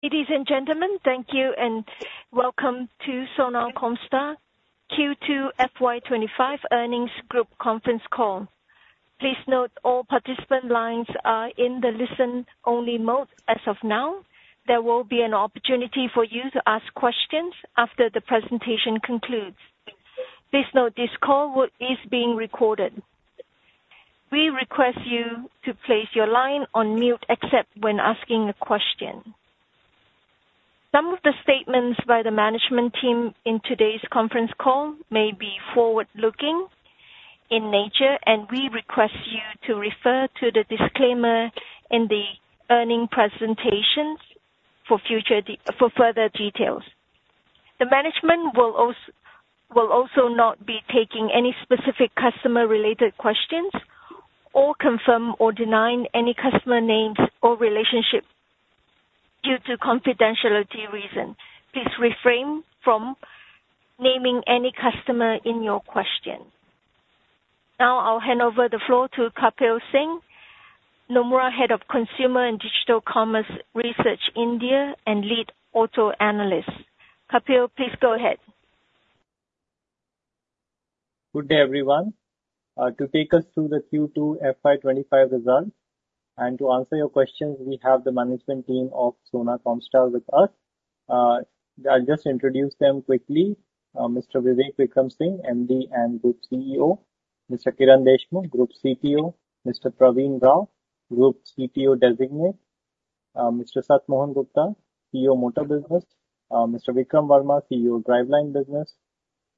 Ladies and gentlemen, thank you, and welcome to Sona Comstar Q2 FY 2025 earnings group conference call. Please note all participant lines are in the listen-only mode as of now. There will be an opportunity for you to ask questions after the presentation concludes. Please note this call is being recorded. We request you to place your line on mute except when asking a question. Some of the statements by the management team in today's conference call may be forward-looking in nature, and we request you to refer to the disclaimer in the earnings presentations for further details. The management will also not be taking any specific customer-related questions or confirm or deny any customer names or relationship due to confidentiality reason. Please refrain from naming any customer in your question. Now, I'll hand over the floor to Kapil Singh, Nomura Head of Consumer and Digital Commerce Research, India, and Lead Auto Analyst. Kapil, please go ahead. Good day, everyone. To take us through the Q2 FY 2025 result and to answer your questions, we have the management team of Sona Comstar with us. I'll just introduce them quickly. Mr. Vivek Vikram Singh, MD and Group CEO, Mr. Kiran Deshmukh, Group CTO, Mr. Praveen Rao, Group CTO Designate, Mr. Sat Mohan Gupta, CEO, Motor Business, Mr. Vikram Verma, CEO, Driveline Business,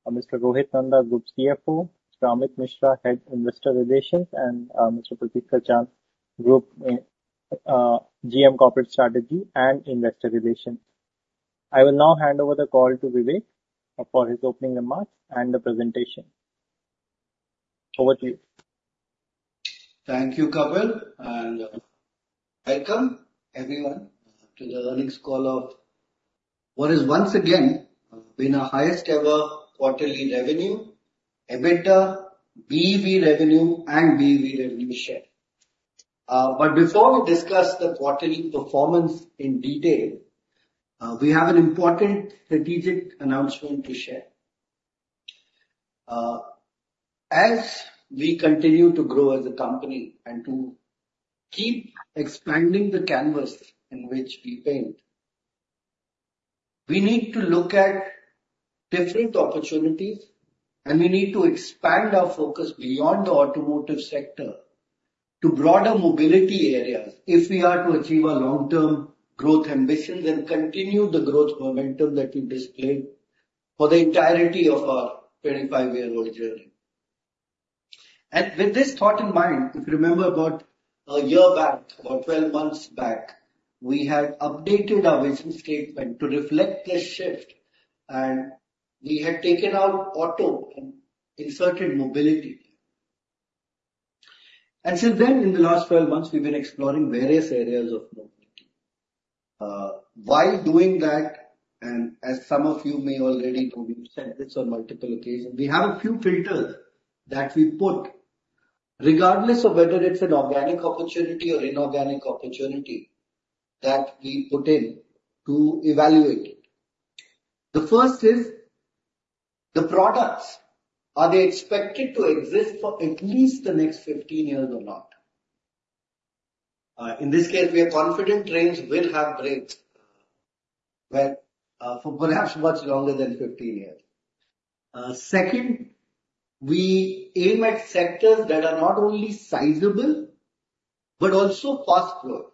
Mr. Rohit Nanda, Group CFO, Mr. Amit Mishra, Head, Investor Relations, and Mr. Pratik Kothari, Group GM, Corporate Strategy and Investor Relations. I will now hand over the call to Vivek for his opening remarks and the presentation. Over to you. Thank you, Kapil, and welcome, everyone, to the earnings call of what is once again been our highest ever quarterly revenue, EBITDA, BEV revenue, and BEV revenue share, but before we discuss the quarterly performance in detail, we have an important strategic announcement to share, as we continue to grow as a company and to keep expanding the canvas in which we paint, we need to look at different opportunities, and we need to expand our focus beyond the automotive sector to broader mobility areas if we are to achieve our long-term growth ambitions and continue the growth momentum that we've displayed for the entirety of our 25-year-old journey, and with this thought in mind, if you remember about a year back, or 12 months back, we had updated our vision statement to reflect this shift, and we had taken out auto and inserted mobility. And since then, in the last 12 months, we've been exploring various areas of mobility. While doing that, and as some of you may already know, we've said this on multiple occasions, we have a few filters that we put, regardless of whether it's an organic opportunity or inorganic opportunity, that we put in to evaluate it. The first is the products, are they expected to exist for at least the next 15 years or not? In this case, we are confident trains will have brakes for perhaps much longer than 15 years. Second, we aim at sectors that are not only sizable but also fast growth.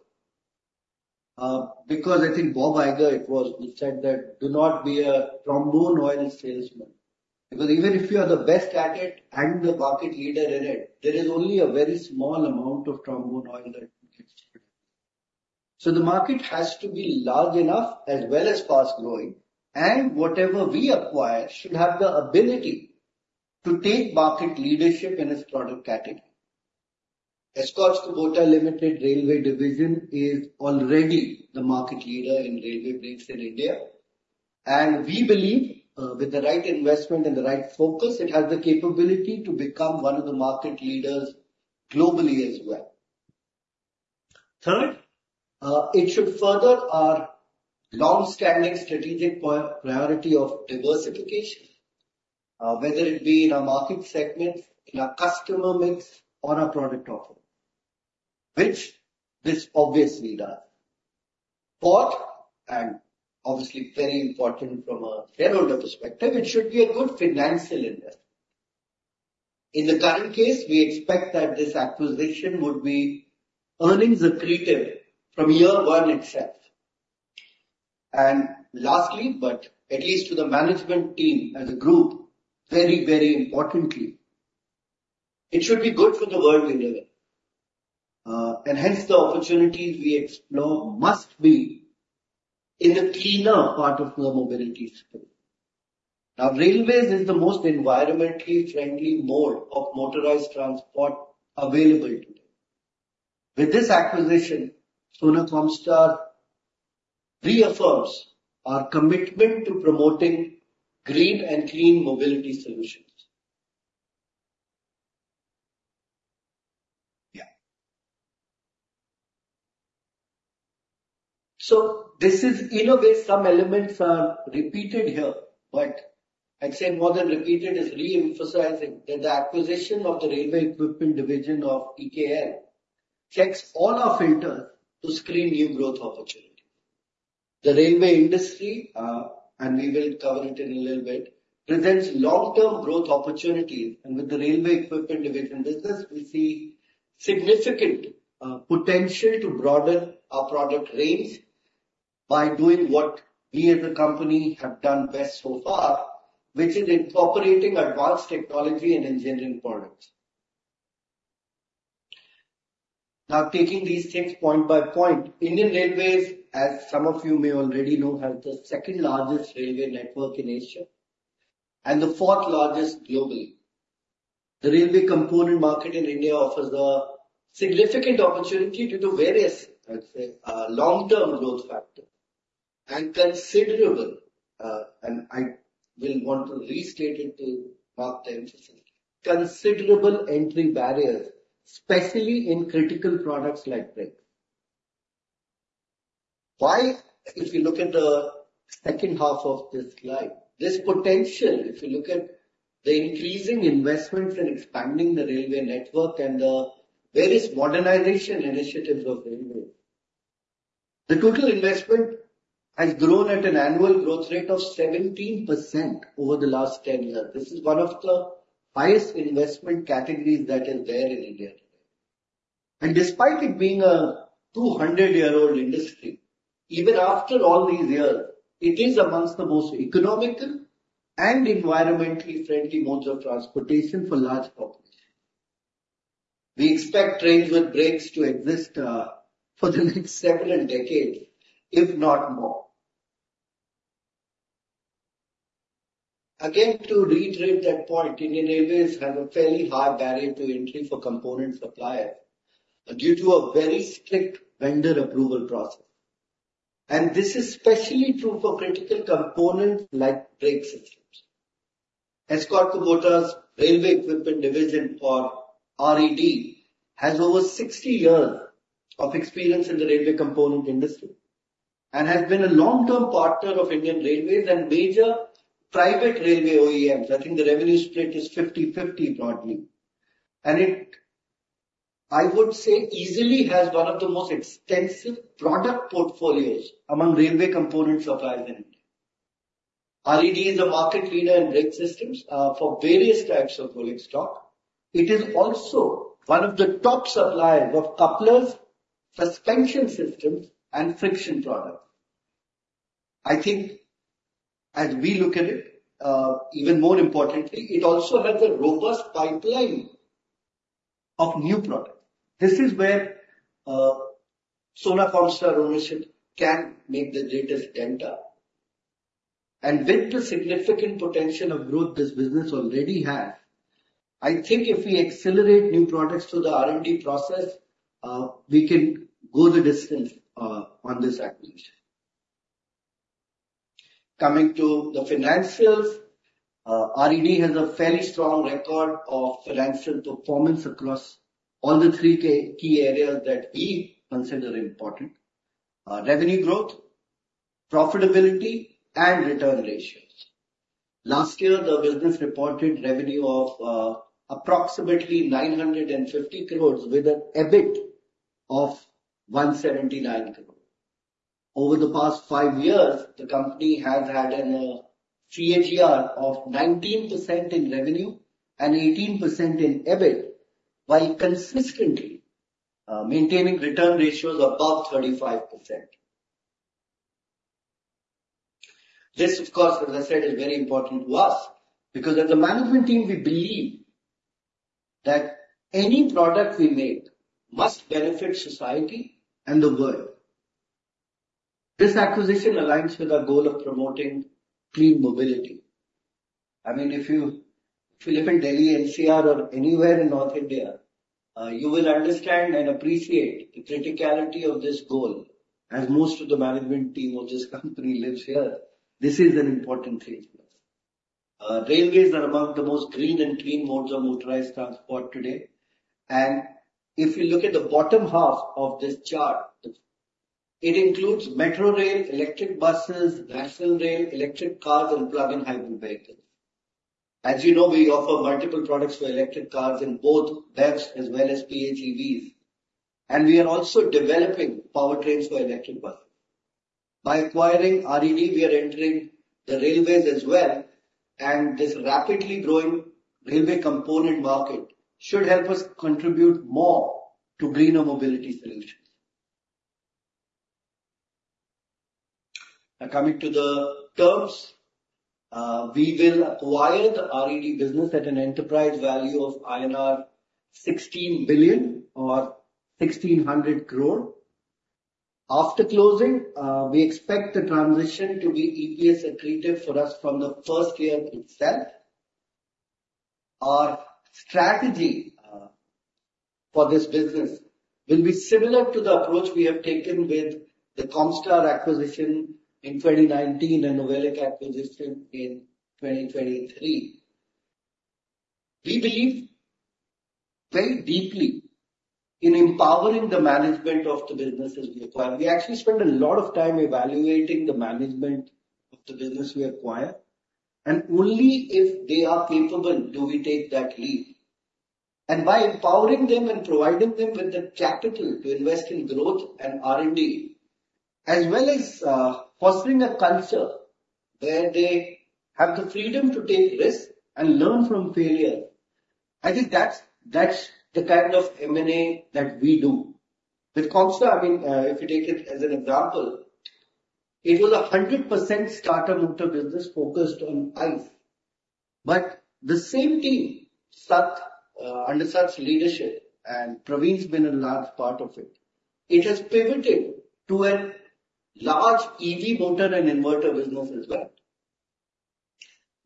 Because I think Bob Iger, it was, who said that, "Do not be a trombone oil salesman." Because even if you are the best at it and the market leader in it, there is only a very small amount of trombone oil that gets sold. So the market has to be large enough as well as fast growing, and whatever we acquire should have the ability to take market leadership in its product category. Escorts Kubota Limited Railway Division is already the market leader in railway brakes in India, and we believe, with the right investment and the right focus, it has the capability to become one of the market leaders globally as well. Third, it should further our long-standing strategic priority of diversification, whether it be in our market segment, in our customer mix, or our product offering, which this obviously does. Fourth, and obviously very important from a shareholder perspective, it should be a good financial investment. In the current case, we expect that this acquisition would be earnings accretive from year one itself. And lastly, but at least to the management team as a group, very, very importantly, it should be good for the world we live in. And hence, the opportunities we explore must be in the cleaner part of the mobility space. Now, railways is the most environmentally friendly mode of motorized transport available today. With this acquisition, Sona Comstar reaffirms our commitment to promoting green and clean mobility solutions.... So this is, in a way, some elements are repeated here, but I'd say more than repeated is re-emphasizing that the acquisition of the railway equipment division of EKL checks all our filters to screen new growth opportunities. The railway industry, and we will cover it in a little bit, presents long-term growth opportunities, and with the railway equipment division business, we see significant, potential to broaden our product range by doing what we as a company have done best so far, which is incorporating advanced technology and engineering products. Now, taking these things point by point, Indian Railways, as some of you may already know, have the second-largest railway network in Asia and the fourth-largest globally. The railway component market in India offers a significant opportunity due to various, let's say, long-term growth factor and considerable, and I will want to restate it to mark the emphasis, considerable entry barriers, especially in critical products like brakes. Why? If you look at the second half of this slide, this potential, if you look at the increasing investments and expanding the railway network and the various modernization initiatives of railway. The total investment has grown at an annual growth rate of 17% over the last 10 years. This is one of the highest investment categories that is there in India. And despite it being a 200-year industry, even after all these years, it is amongst the most economical and environmentally friendly modes of transportation for large population. We expect trains with brakes to exist for the next several decades, if not more. Again, to reiterate that point, Indian Railways have a fairly high barrier to entry for component suppliers due to a very strict vendor approval process. And this is especially true for critical components like brake systems. Escorts Kubota Railway Equipment Division, or RED, has over 60 years of experience in the railway component industry, and has been a long-term partner of Indian Railways and major private railway OEMs. I think the revenue split is 50/50, broadly, and it, I would say, easily has one of the most extensive product portfolios among railway component suppliers in India. RED is a market leader in brake systems for various types of rolling stock. It is also one of the top suppliers of couplers, suspension systems, and friction products. I think as we look at it, even more importantly, it also has a robust pipeline of new products. This is where Sona Comstar ownership can make the greatest dent up. With the significant potential of growth this business already has, I think if we accelerate new products through the R&D process, we can go the distance on this acquisition. Coming to the financials, RED has a fairly strong record of financial performance across all the three key areas that we consider important: revenue growth, profitability, and return ratios. Last year, the business reported revenue of approximately 950 crore, with an EBIT of 179 crore. Over the past five years, the company has had a CAGR of 19% in revenue and 18% in EBIT, while consistently maintaining return ratios above 35%. This, of course, as I said, is very important to us, because as a management team, we believe that any product we make must benefit society and the world. This acquisition aligns with our goal of promoting clean mobility. I mean, if you, if you live in Delhi, NCR, or anywhere in North India, you will understand and appreciate the criticality of this goal, as most of the management team of this company lives here. This is an important thing for us. Railways are among the most green and clean modes of motorized transport today. And if you look at the bottom half of this chart, it includes metro rail, electric buses, diesel rail, electric cars, and plug-in hybrid vehicles. As you know, we offer multiple products for electric cars in both BEVs as well as PHEVs, and we are also developing powertrains for electric buses. By acquiring RED, we are entering the railways as well, and this rapidly growing railway component market should help us contribute more to greener mobility solutions. Now, coming to the terms, we will acquire the RED business at an enterprise value of INR 16 billion or 1,600 crore. After closing, we expect the transition to be EPS accretive for us from the first year itself. Our strategy, for this business will be similar to the approach we have taken with the Comstar acquisition in 2019 and NOVELIC acquisition in 2023.... We believe very deeply in empowering the management of the businesses we acquire. We actually spend a lot of time evaluating the management of the business we acquire, and only if they are capable, do we take that leap. By empowering them and providing them with the capital to invest in growth and R&D, as well as fostering a culture where they have the freedom to take risks and learn from failure, I think that's the kind of M&A that we do. With Comstar, I mean, if you take it as an example, it was 100% starter motor business focused on ICE. But the same team, Sat, under Sat's leadership, and Praveen's been a large part of it, it has pivoted to a large EV motor and inverter business as well.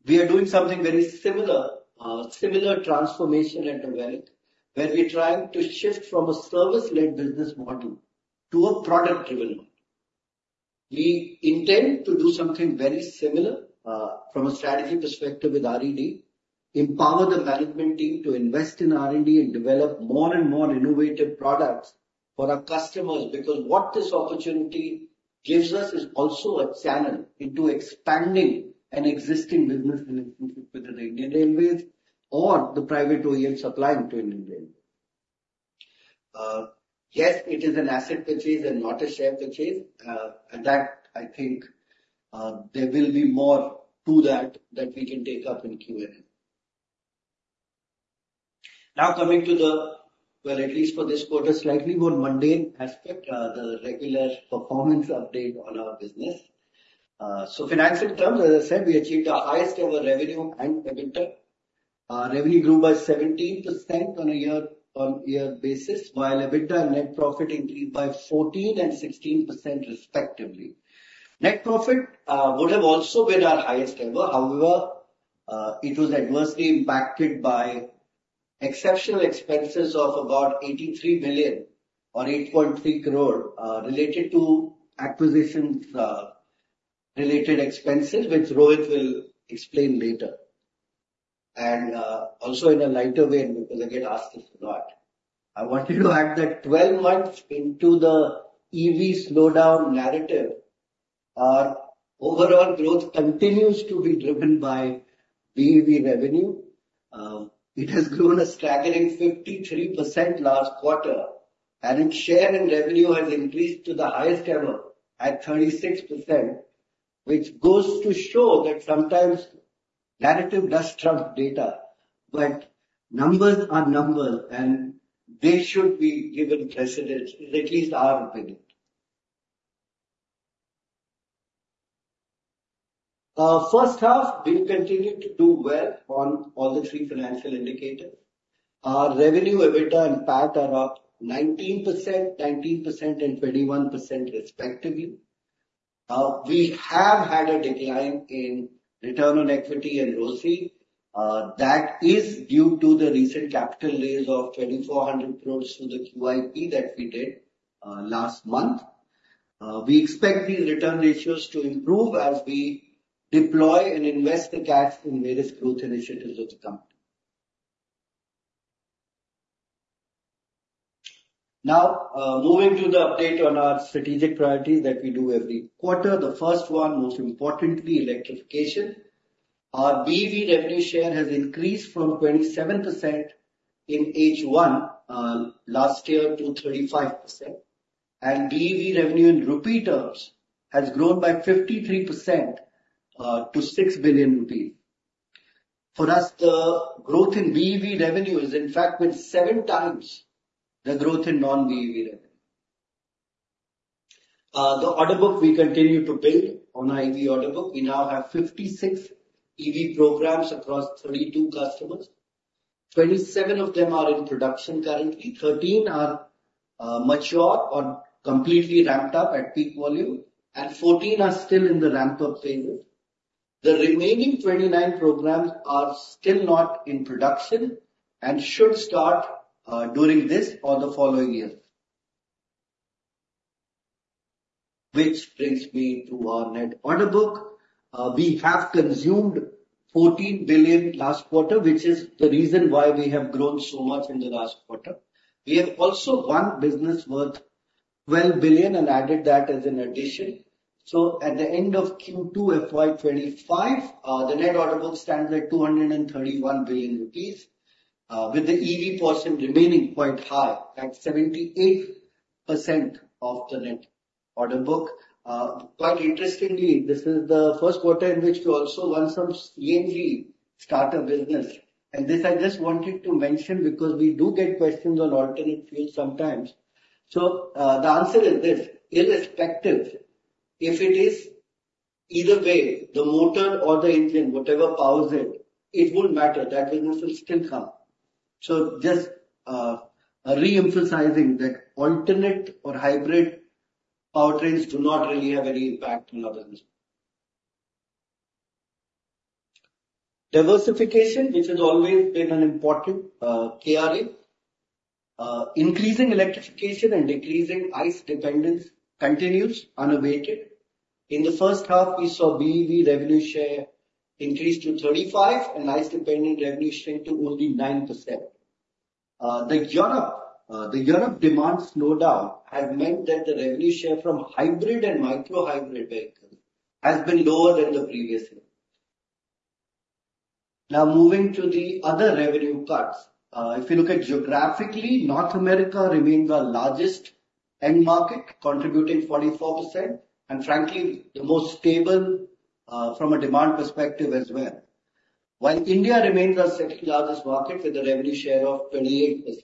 We are doing something very similar, similar transformation at NOVELIC, where we're trying to shift from a service-led business model to a product-driven model. We intend to do something very similar from a strategy perspective with RED, empower the management team to invest in R&D and develop more and more innovative products for our customers. Because what this opportunity gives us is also a channel into expanding an existing business relationship with the Indian Railways or the private OEMs supplying to Indian Railways. Yes, it is an asset purchase and not a share purchase, and that I think there will be more to that, that we can take up in Q&A. Now, coming to the... well, at least for this quarter, slightly more mundane aspect, the regular performance update on our business. So financial terms, as I said, we achieved our highest ever revenue and EBITDA. Revenue grew by 17% on a year-on-year basis, while EBITDA, net profit increased by 14% and 16% respectively. Net profit would have also been our highest ever. However, it was adversely impacted by exceptional expenses of about 83 million or 8.3 crore related to acquisitions, related expenses, which Rohit will explain later. Also, in a lighter way, and people again ask us a lot. I wanted to add that 12 months into the EV slowdown narrative, our overall growth continues to be driven by BEV revenue. It has grown a staggering 53% last quarter, and its share in revenue has increased to the highest ever at 36%, which goes to show that sometimes narrative does trump data, but numbers are numbers, and they should be given precedence, is at least our opinion. First half, we've continued to do well on all the three financial indicators. Our revenue, EBITDA and PAT are up 19%, 19%, and 21% respectively. We have had a decline in return on equity and ROCE. That is due to the recent capital raise of 2,400 crores through the QIP that we did last month. We expect these return ratios to improve as we deploy and invest the cash in various growth initiatives of the company. Now, moving to the update on our strategic priorities that we do every quarter. The first one, most importantly, electrification. Our BEV revenue share has increased from 27% in H1 last year to 35%, and BEV revenue in rupee terms has grown by 53% to 6 billion rupees. For us, the growth in BEV revenue has, in fact, been seven times the growth in non-BEV revenue. The order book, we continue to build on our EV order book. We now have 56 EV programs across 32 customers. 27 of them are in production currently, 13 are mature or completely ramped up at peak volume, and 14 are still in the ramp-up phase. The remaining 29 programs are still not in production and should start during this or the following year. Which brings me to our net order book. We have consumed 14 billion last quarter, which is the reason why we have grown so much in the last quarter. We have also won business worth 12 billion and added that as an addition. At the end of Q2 FY 2025, the net order book stands at 231 billion rupees, with the EV portion remaining quite high, at 78% of the net order book. Quite interestingly, this is the first quarter in which we also won some CNG starter business, and this I just wanted to mention because we do get questions on alternate fuel sometimes. The answer is this, irrespective if it is either way, the motor or the engine, whatever powers it, it won't matter, that business will still come. Just re-emphasizing that alternate or hybrid powertrains do not really have any impact on our business. Diversification, which has always been an important KRA. Increasing electrification and decreasing ICE dependence continues unabated. In the first half, we saw BEV revenue share increase to 35%, and ICE-dependent revenue share to only 9%. The European demand slowdown has meant that the revenue share from hybrid and micro-hybrid vehicles has been lower than the previous year. Now, moving to the other revenue parts. If you look at geographically, North America remains our largest end market, contributing 44%, and frankly, the most stable, from a demand perspective as well. While India remains our second largest market, with a revenue share of 28%.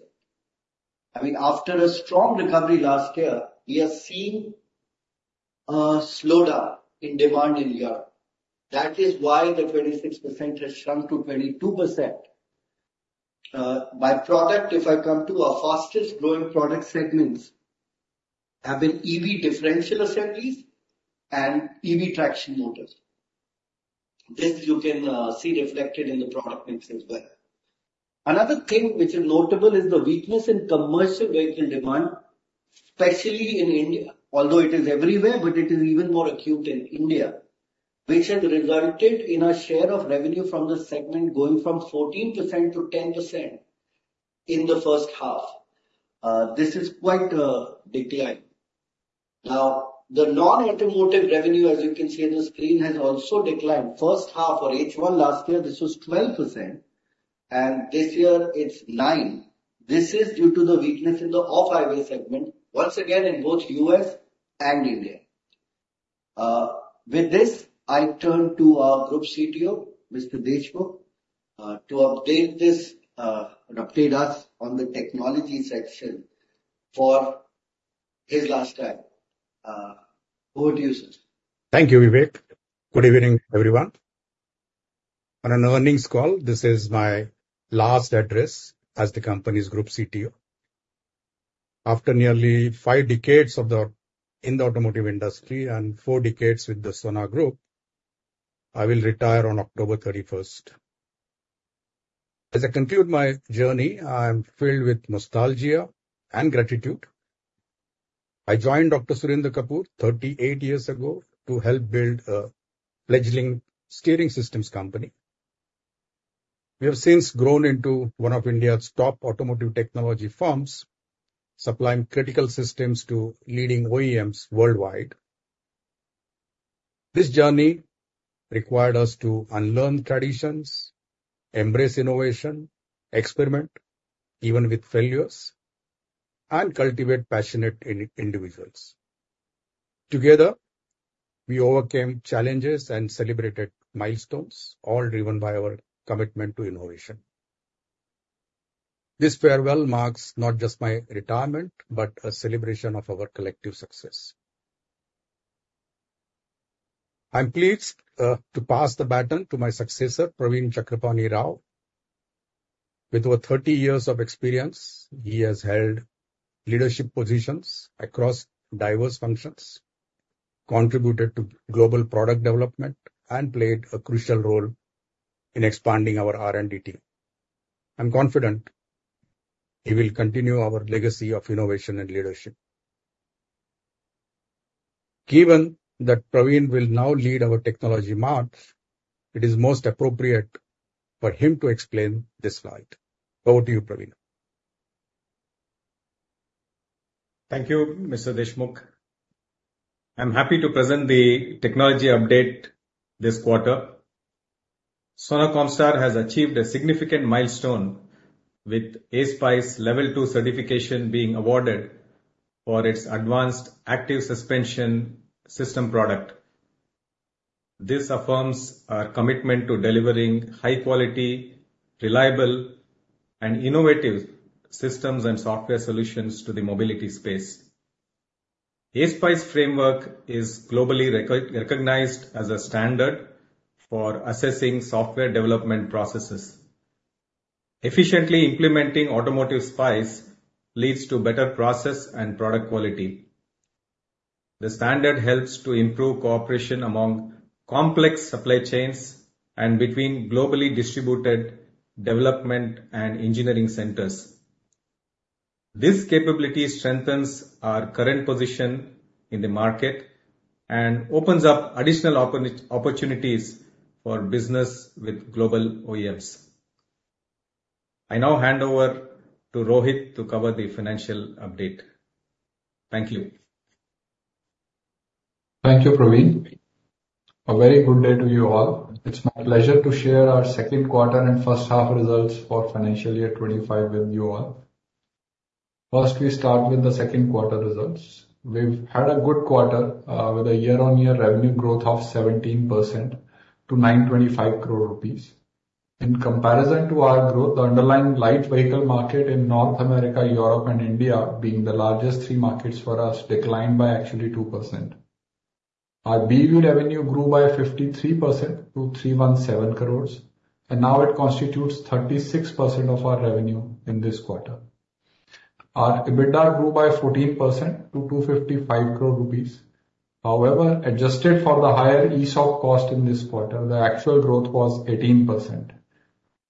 I mean, after a strong recovery last year, we have seen a slowdown in demand in India. That is why the 26% has shrunk to 22%. By product, if I come to our fastest growing product segments, have been EV differential assemblies and EV traction motors. This you can see reflected in the product mix as well. Another thing which is notable is the weakness in commercial vehicle demand, especially in India, although it is everywhere, but it is even more acute in India, which has resulted in our share of revenue from this segment going from 14% to 10% in the first half. This is quite a decline. Now, the non-automotive revenue, as you can see on the screen, has also declined. First half or H1 last year, this was 12%, and this year it's 9%. This is due to the weakness in the off-highway segment, once again, in both U.S. and India. With this, I turn to our Group CTO, Mr. Deshmukh, to update us on the technology section for his last time. Over to you, sir. Thank you, Vivek. Good evening, everyone. On an earnings call, this is my last address as the company's Group CTO. After nearly five decades in the automotive industry and four decades with the Sona Group, I will retire on October 31st. As I conclude my journey, I am filled with nostalgia and gratitude. I joined Dr. Surinder Kapur 38 years ago to help build a fledgling steering systems company. We have since grown into one of India's top automotive technology firms, supplying critical systems to leading OEMs worldwide. This journey required us to unlearn traditions, embrace innovation, experiment, even with failures, and cultivate passionate individuals. Together, we overcame challenges and celebrated milestones, all driven by our commitment to innovation. This farewell marks not just my retirement, but a celebration of our collective success. I'm pleased to pass the baton to my successor, Praveen Chakrapani Rao. With over 30 years of experience, he has held leadership positions across diverse functions, contributed to global product development, and played a crucial role in expanding our R&D team. I'm confident he will continue our legacy of innovation and leadership. Given that Praveen will now lead our technology march, it is most appropriate for him to explain this slide. Over to you, Praveen. Thank you, Mr. Deshmukh. I'm happy to present the technology update this quarter. Sona Comstar has achieved a significant milestone with ASPICE Level 2 certification being awarded for its advanced active suspension system product. This affirms our commitment to delivering high quality, reliable, and innovative systems and software solutions to the mobility space. ASPICE framework is globally recognized as a standard for assessing software development processes. Efficiently implementing automotive SPICE leads to better process and product quality. The standard helps to improve cooperation among complex supply chains and between globally distributed development and engineering centers. This capability strengthens our current position in the market and opens up additional opportunities for business with global OEMs. I now hand over to Rohit to cover the financial update. Thank you. Thank you, Praveen. A very good day to you all. It's my pleasure to share our second quarter and first half results for financial year 2025 with you all. First, we start with the second quarter results. We've had a good quarter with a year-on-year revenue growth of 17% to 925 crore rupees. In comparison to our growth, the underlying light vehicle market in North America, Europe, and India, being the largest three markets for us, declined by actually 2%. Our BEV revenue grew by 53% to 317 crore, and now it constitutes 36% of our revenue in this quarter. Our EBITDA grew by 14% to 255 crore rupees. However, adjusted for the higher ESOP cost in this quarter, the actual growth was 18%.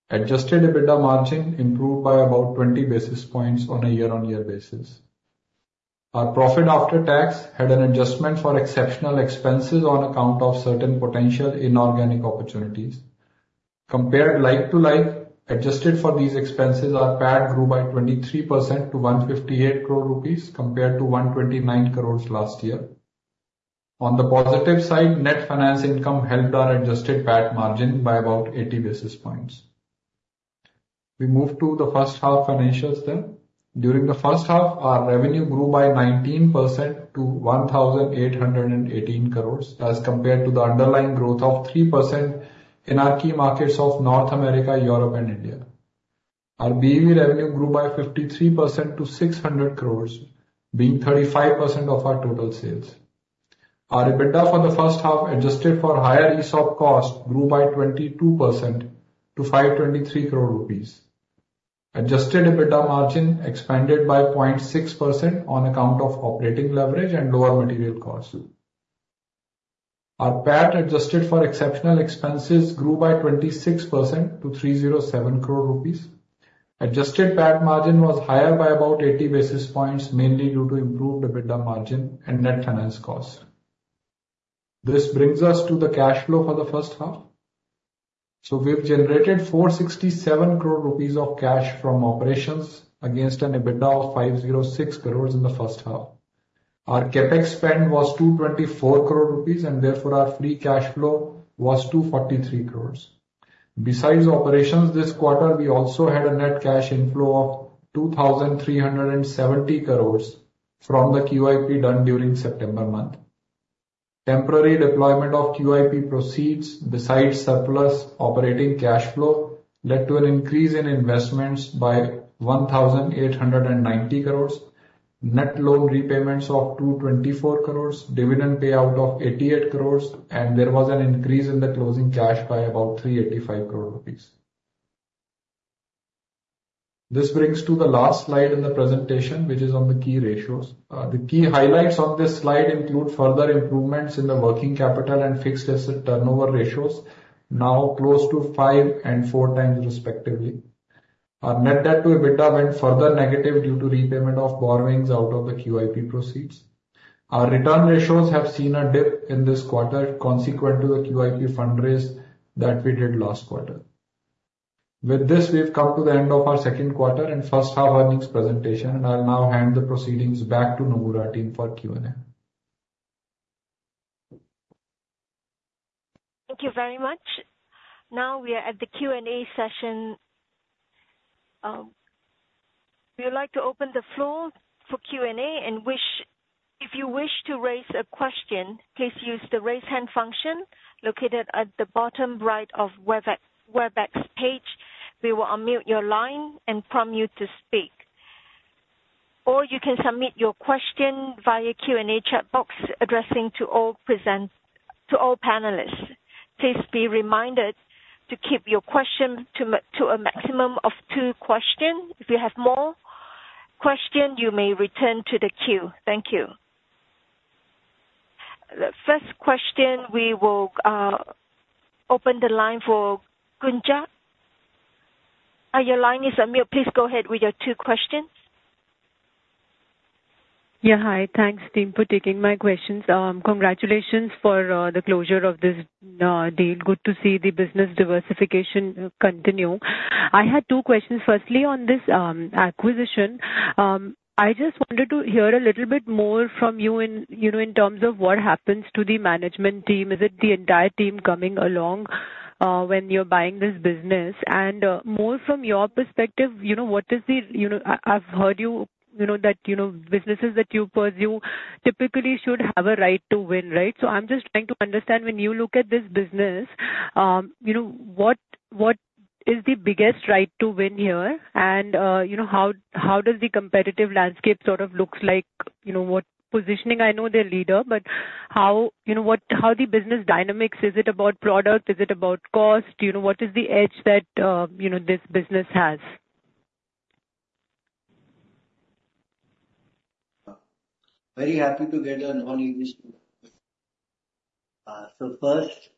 Adjusted EBITDA margin improved by about 20 basis points on a year-on-year basis. Our profit after tax had an adjustment for exceptional expenses on account of certain potential inorganic opportunities. Compared like-to-like, adjusted for these expenses, our PAT grew by 23% to 158 crore rupees, compared to 129 crore last year. On the positive side, net finance income helped our adjusted PAT margin by about 80 basis points. We move to the first half financials then. During the first half, our revenue grew by 19% to 1,818 crore, as compared to the underlying growth of 3% in our key markets of North America, Europe, and India. Our BEV revenue grew by 53% to 600 crore, being 35% of our total sales. Our EBITDA for the first half, adjusted for higher ESOP cost, grew by 22% to 523 crore rupees. Adjusted EBITDA margin expanded by 0.6% on account of operating leverage and lower material costs. Our PAT, adjusted for exceptional expenses, grew by 26% to 307 crore rupees. Adjusted PAT margin was higher by about 80 basis points, mainly due to improved EBITDA margin and net finance costs. This brings us to the cash flow for the first half, so we've generated 467 crore rupees of cash from operations against an EBITDA of 506 crore rupees in the first half. Our CapEx spend was 224 crore rupees, and therefore, our free cash flow was 243 crore rupees. Besides operations this quarter, we also had a net cash inflow of 2,370 crore from the QIP done during September month. Temporary deployment of QIP proceeds, besides surplus operating cash flow, led to an increase in investments by 1,890 crore, net loan repayments of 224 crore, dividend payout of 88 crore, and there was an increase in the closing cash by about 385 crore rupees. This brings to the last slide in the presentation, which is on the key ratios. The key highlights of this slide include further improvements in the working capital and fixed asset turnover ratios, now close to five and four times, respectively. Our net debt to EBITDA went further negative due to repayment of borrowings out of the QIP proceeds. Our return ratios have seen a dip in this quarter, consequent to the QIP fundraise that we did last quarter. With this, we've come to the end of our second quarter and first half earnings presentation, and I'll now hand the proceedings back to Nomura team for Q&A. Thank you very much. Now we are at the Q&A session. We would like to open the floor for Q&A, and if you wish to raise a question, please use the Raise Hand function located at the bottom right of Webex page. We will unmute your line and prompt you to speak. Or you can submit your question via Q&A chat box, addressing to all present, to all panelists. Please be reminded to keep your question to a maximum of two question. If you have more question, you may return to the queue. Thank you. The first question, we will open the line for Gunjan. Your line is unmuted. Please go ahead with your two questions. Yeah, hi. Thanks, team, for taking my questions. Congratulations for the closure of this deal. Good to see the business diversification continue. I had two questions. Firstly, on this acquisition, I just wanted to hear a little bit more from you in, you know, in terms of what happens to the management team. Is it the entire team coming along when you're buying this business? And more from your perspective, you know, what is the... You know, I, I've heard you, you know, that, you know, businesses that you pursue typically should have a right to win, right? So I'm just trying to understand, when you look at this business, you know, what, what is the biggest right to win here? And you know, how, how does the competitive landscape sort of looks like? You know, what positioning? I know their leader, but how... You know, what, how the business dynamics? Is it about product? Is it about cost? You know, what is the edge that, you know, this business has? Very happy to get on this. So first,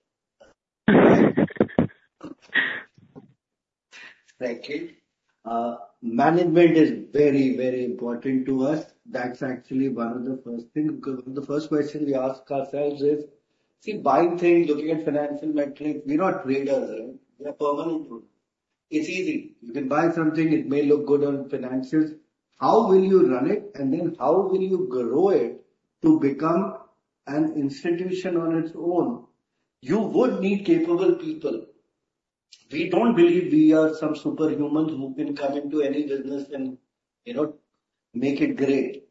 thank you. Management is very, very important to us. That's actually one of the first things. The first question we ask ourselves is, see, buying things, looking at financial metrics, we're not traders, right? We are permanent group. It's easy. You can buy something, it may look good on financials. How will you run it? And then how will you grow it to become an institution on its own? You would need capable people. We don't believe we are some superhumans who can come into any business and, you know, make it great.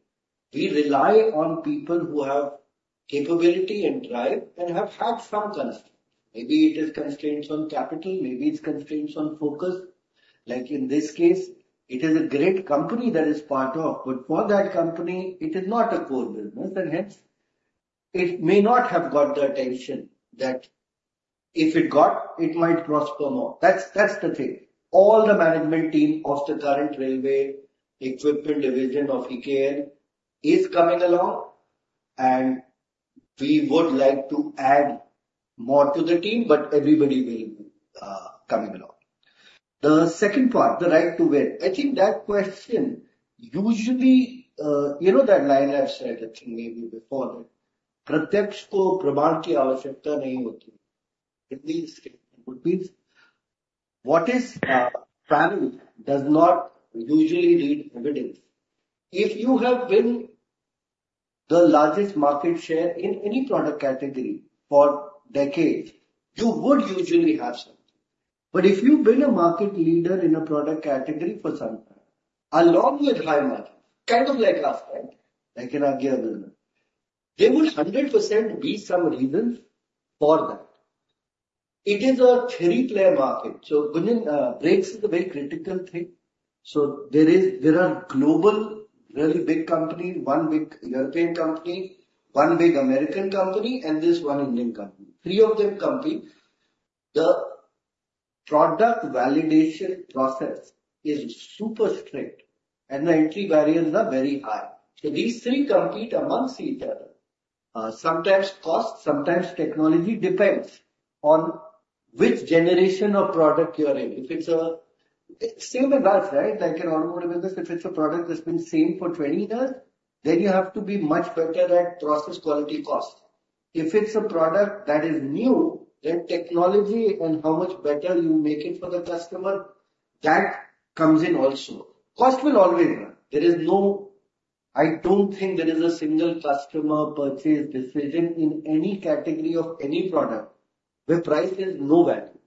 We rely on people who have capability and drive and have had some constraints. Maybe it is constraints on capital, maybe it's constraints on focus. Like in this case, it is a great company that is part of, but for that company, it is not a core business, and hence, it may not have got the attention that- If it got, it might prosper more. That's, that's the thing. All the management team of the current railway equipment division of EKL is coming along, and we would like to add more to the team, but everybody will coming along. The second part, the right to win. I think that question usually, you know, that line I've said, I think maybe before, "...", it means what is true does not usually need evidence. If you have been the largest market share in any product category for decades, you would usually have something. But if you've been a market leader in a product category for some time, along with high margin, kind of like us, right? Like in our business, there would 100% be some reason for that. It is a three-player market, so Gunjan, brakes is a very critical thing. There are global, really big companies: one big European company, one big American company, and there's one Indian company. Three of them compete. The product validation process is super strict and the entry barriers are very high. These three compete amongst each other. Sometimes cost, sometimes technology, depends on which generation of product you are in. If it's the same with us, right? Like in automobile business, if it's a product that's been the same for 20 years, then you have to be much better at process, quality, cost. If it's a product that is new, then technology and how much better you make it for the customer, that comes in also. Cost will always run. There is no... I don't think there is a single customer purchase decision in any category of any product where price is no value.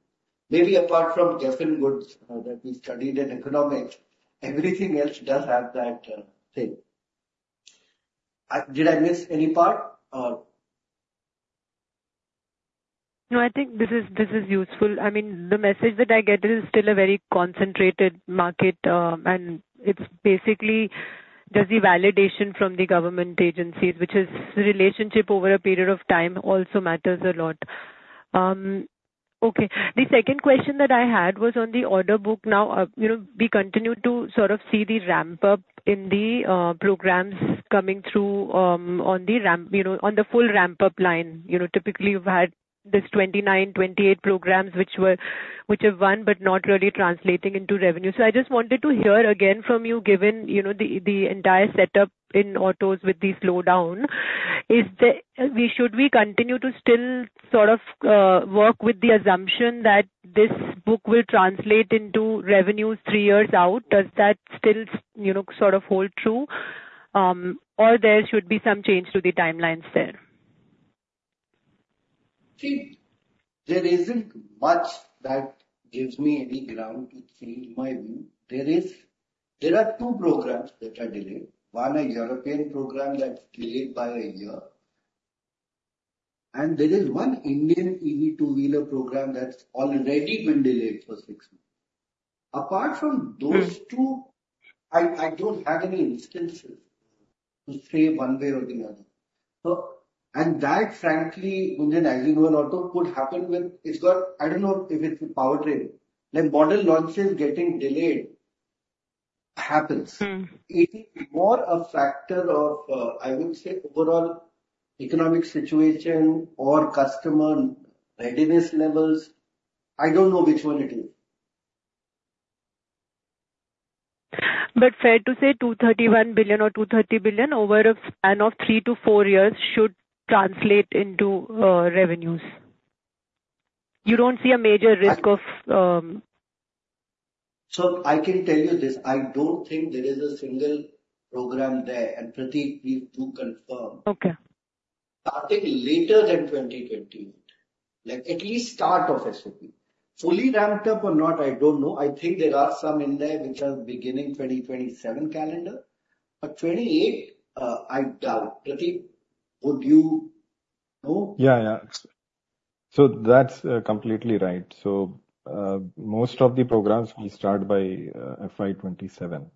Maybe apart from Giffen goods, that we studied in economics, everything else does have that, thing. Did I miss any part, or? No, I think this is, this is useful. I mean, the message that I get is it's still a very concentrated market, and it's basically just the validation from the government agencies, which is the relationship over a period of time also matters a lot. Okay, the second question that I had was on the order book. Now, you know, we continue to sort of see the ramp-up in the programs coming through, on the ramp, you know, on the full ramp-up line. You know, typically, we've had this 29, 28 programs, which were, which have won, but not really translating into revenue. So I just wanted to hear again from you, given you know the entire setup in autos with the slowdown, is should we continue to still sort of work with the assumption that this book will translate into revenues three years out? Does that still you know sort of hold true, or there should be some change to the timelines there? See, there isn't much that gives me any ground to change my view. There is... There are two programs that are delayed. One, a European program that's delayed by a year, and there is one Indian EV two-wheeler program that's already been delayed for six months. Apart from those two, I, I don't have any instances to say one way or the other. So, and that, frankly, Gunjan, as you know, in auto could happen with... It's God, I don't know if it's powertrain. Like, model launches getting delayed happens. Mm. It is more a factor of, I would say, overall economic situation or customer readiness levels. I don't know which one it is. But fair to say, 231 billion or 230 billion over a span of three-to-four years should translate into revenues? You don't see a major risk of, So I can tell you this. I don't think there is a single program there, and Pratik, please do confirm. Okay. Starting later than 2028, like, at least start of SOP. Fully ramped up or not, I don't know. I think there are some in there which are beginning 2027 calendar, but 2028, I doubt. Pratik, would you know? Yeah, yeah. So that's completely right. So, most of the programs will start by FY 2027.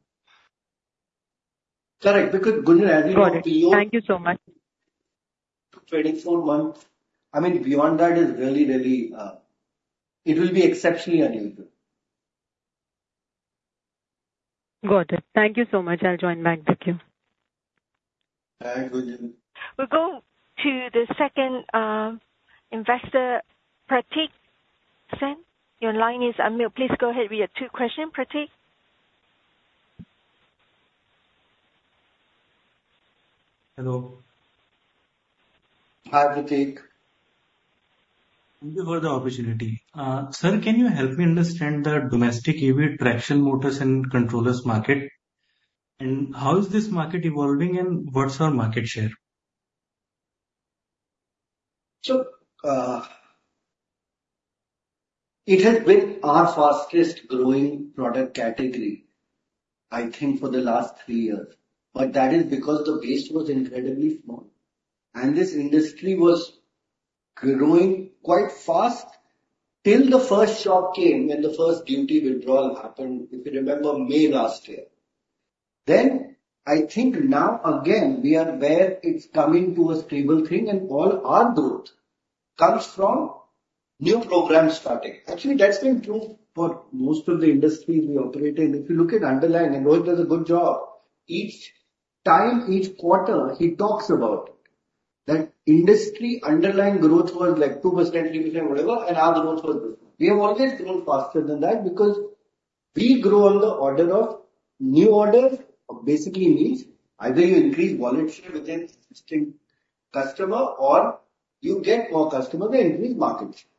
Correct, because, Gunjan, as the CEO- Got it. Thank you so much. 24 months, I mean, beyond that is really, really, it will be exceptionally unusual. Got it. Thank you so much. I'll join back. Thank you. Thanks, Gunjan. We'll go to the second investor, Prateek Sen, your line is unmuted. Please go ahead with your two questions, Prateek. Hello. Hi, Prateek. Thank you for the opportunity. Sir, can you help me understand the domestic EV traction motors and controllers market, and how is this market evolving and what's our market share? So, it has been our fastest growing product category, I think, for the last three years. But that is because the base was incredibly small and this industry was growing quite fast till the first shock came, when the first duty withdrawal happened, if you remember, May last year. Then I think now again, we are where it's coming to a stable thing, and all our growth comes from new programs starting. Actually, that's been true for most of the industries we operate in. If you look at underlying, and Rohit does a good job, each time, each quarter, he talks about it, that industry underlying growth was like 2%, 3%, whatever, and our growth was this. We have always grown faster than that because we grow on the order of new orders, basically means either you increase volume share within existing customer, or you get more customers and increase market share.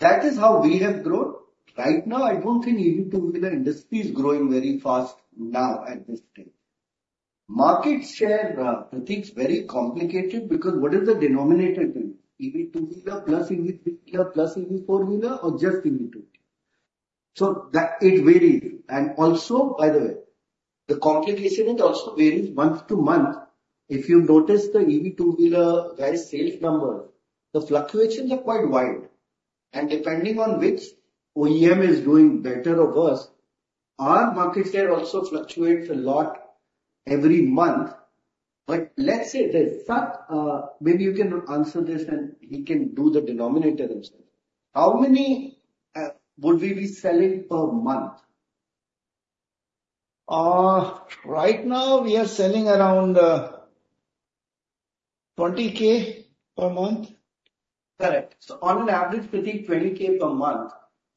That is how we have grown. Right now, I don't think EV two-wheeler industry is growing very fast now, at this stage. Market share, I think it's very complicated, because what is the denominator to EV two-wheeler, plus EV three-wheeler, plus EV four-wheeler or just EV two-wheeler? So that it varies. And also, by the way, the complication it also varies month to month. If you notice the EV two-wheeler, guy's sales number, the fluctuations are quite wide, and depending on which OEM is doing better or worse, our market share also fluctuates a lot every month. But let's say that, Sat, maybe you can answer this, and he can do the denominator himself. How many would we be selling per month? Right now, we are selling around 20,000 per month. Correct. So on an average, Prateek, 20,000 per month,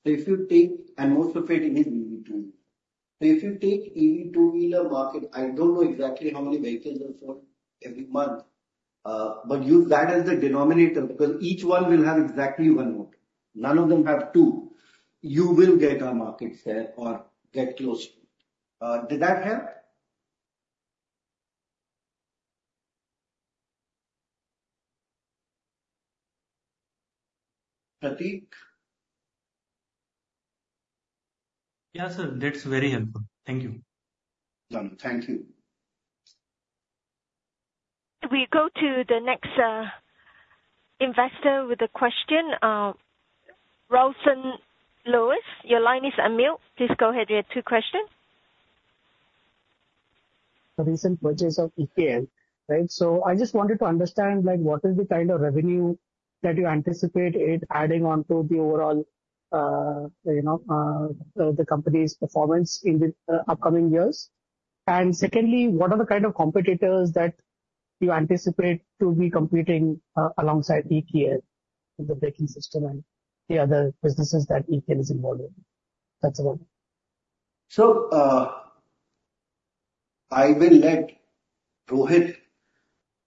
so if you take and most of it is EV two-wheeler. So if you take EV two-wheeler market, I don't know exactly how many vehicles are sold every month, but use that as the denominator, because each one will have exactly one motor. None of them have two. You will get our market share or get close to it. Did that help? Prateek? Yeah, sir. That's very helpful. Thank you. Done. Thank you. We go to the next investor with a question. Rawson Lewis, your line is unmuted. Please go ahead. You have two questions. The recent purchase of EKL, right? So I just wanted to understand, like, what is the kind of revenue that you anticipate it adding on to the overall, you know, the company's performance in the upcoming years? And secondly, what are the kind of competitors that you anticipate to be competing alongside EKL in the braking system and the other businesses that EKL is involved in? That's all. So, I will let Rohit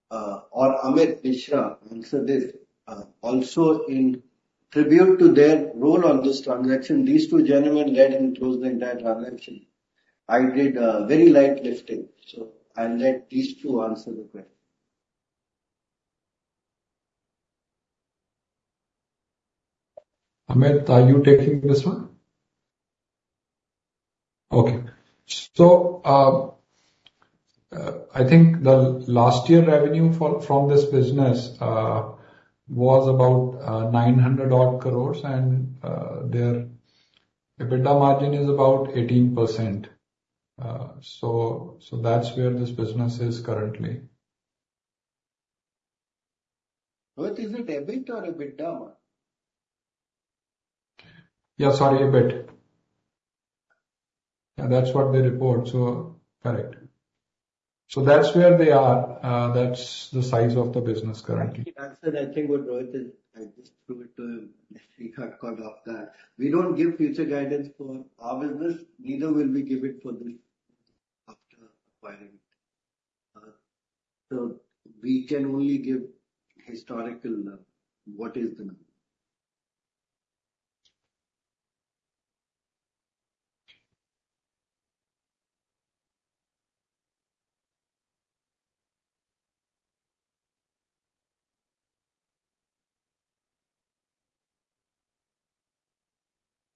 or Amit Mishra answer this. Also in tribute to their role on this transaction, these two gentlemen led and closed the entire transaction. I did very light lifting, so I'll let these two answer the question. Amit, are you taking this one? Okay. So, I think the last year revenue from this business was about 900-odd crore, and their EBITDA margin is about 18%. So, that's where this business is currently. Rohit, is it EBIT or EBITDA? Yeah, sorry, EBIT. That's what they report, so correct. So that's where they are, that's the size of the business currently. I think he answered, I think, what Rohit is... I just threw it to him. He got caught off guard. We don't give future guidance for our business, neither will we give it for them after acquiring it. So we can only give historical, what is the number.